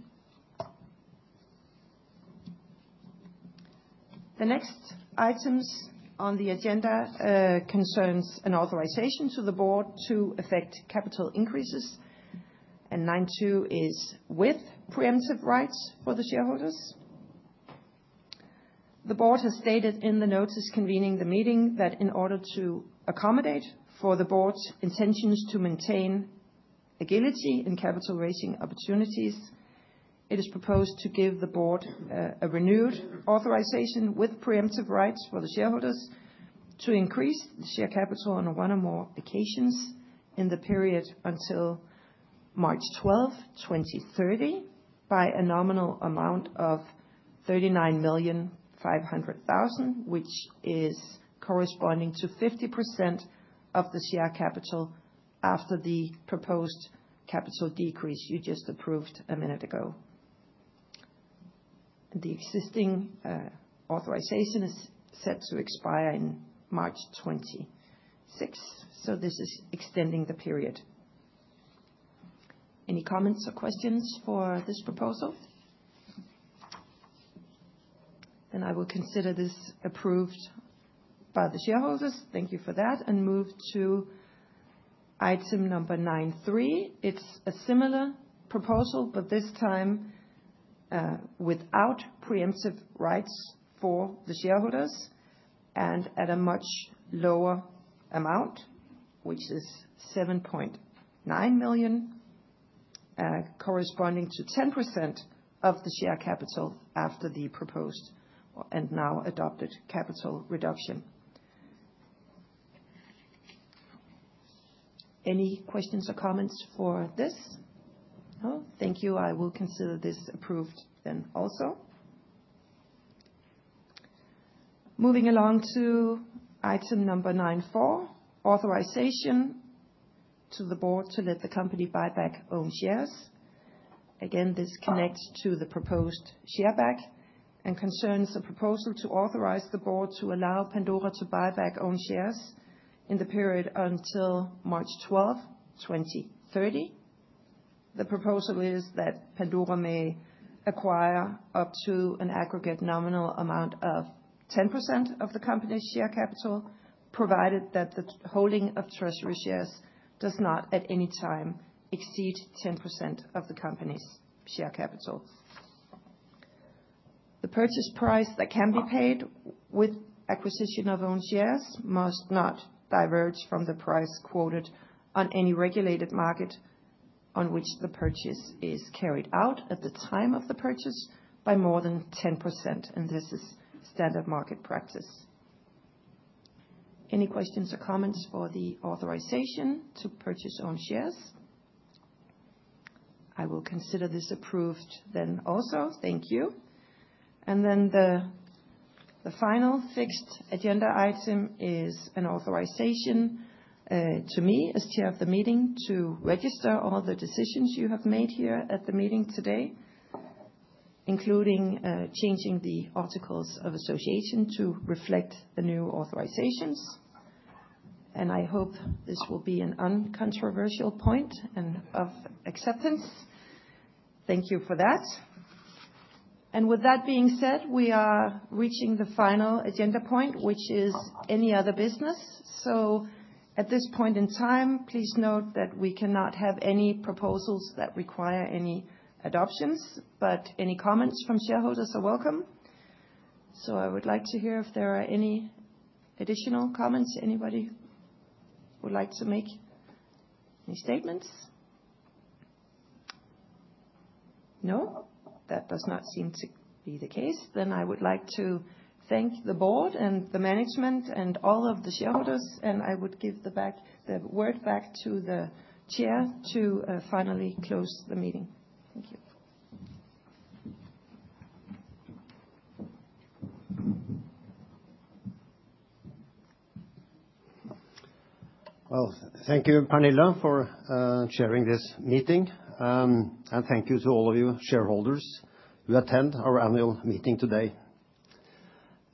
The next items on the agenda concern an authorization to the board to effect capital increases. 9.2 is with preemptive rights for the shareholders. The board has stated in the notice convening the meeting that in order to accommodate for the board's intentions to maintain agility in capital-raising opportunities, it is proposed to give the board a renewed authorization with preemptive rights for the shareholders to increase the share capital on one or more occasions in the period until March 12th, 2030, by a nominal amount of 39,500,000, which is corresponding to 50% of the share capital after the proposed capital decrease you just approved a minute ago. And the existing authorization is set to expire in March 2026. So this is extending the period. Any comments or questions for this proposal? Then I will consider this approved by the shareholders. Thank you for that. And move to item number 9.3. It's a similar proposal, but this time without preemptive rights for the shareholders and at a much lower amount, which is 7.9 million, corresponding to 10% of the share capital after the proposed and now adopted capital reduction. Any questions or comments for this? No? Thank you. I will consider this approved then also. Moving along to item number 9.4, authorization to the board to let the company buy back own shares. Again, this connects to the proposed share buyback and concerns a proposal to authorize the board to allow Pandora to buy back own shares in the period until March 12th, 2030. The proposal is that Pandora may acquire up to an aggregate nominal amount of 10% of the company's share capital, provided that the holding of treasury shares does not at any time exceed 10% of the company's share capital. The purchase price that can be paid with acquisition of own shares must not diverge from the price quoted on any regulated market on which the purchase is carried out at the time of the purchase by more than 10%. And this is standard market practice. Any questions or comments for the authorization to purchase own shares? I will consider this approved then also. Thank you. And then the final fixed agenda item is an authorization to me as chair of the meeting to register all the decisions you have made here at the meeting today, including changing the Articles of Association to reflect the new authorizations. And I hope this will be an uncontroversial point and of acceptance. Thank you for that. And with that being said, we are reaching the final agenda point, which is any other business. At this point in time, please note that we cannot have any proposals that require any adoptions, but any comments from shareholders are welcome. I would like to hear if there are any additional comments. Anybody would like to make any statements? No? That does not seem to be the case. Then I would like to thank the board and the management and all of the shareholders. I would give the word back to the chair to finally close the meeting. Thank you. Well, thank you, Pernille, for chairing this meeting. And thank you to all of you shareholders who attend our annual meeting today.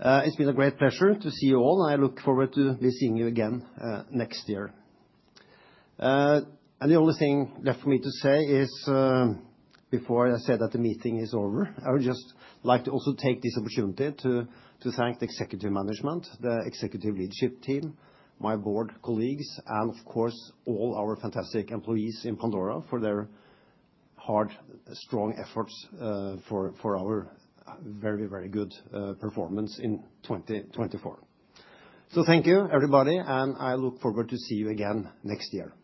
It's been a great pleasure to see you all. I look forward to seeing you again next year. And the only thing left for me to say is, before I say that the meeting is over, I would just like to also take this opportunity to thank the executive management, the executive leadership team, my board colleagues, and of course, all our fantastic employees in Pandora for their hard, strong efforts for our very, very good performance in 2024. So thank you, everybody. And I look forward to see you again next year. Thanks.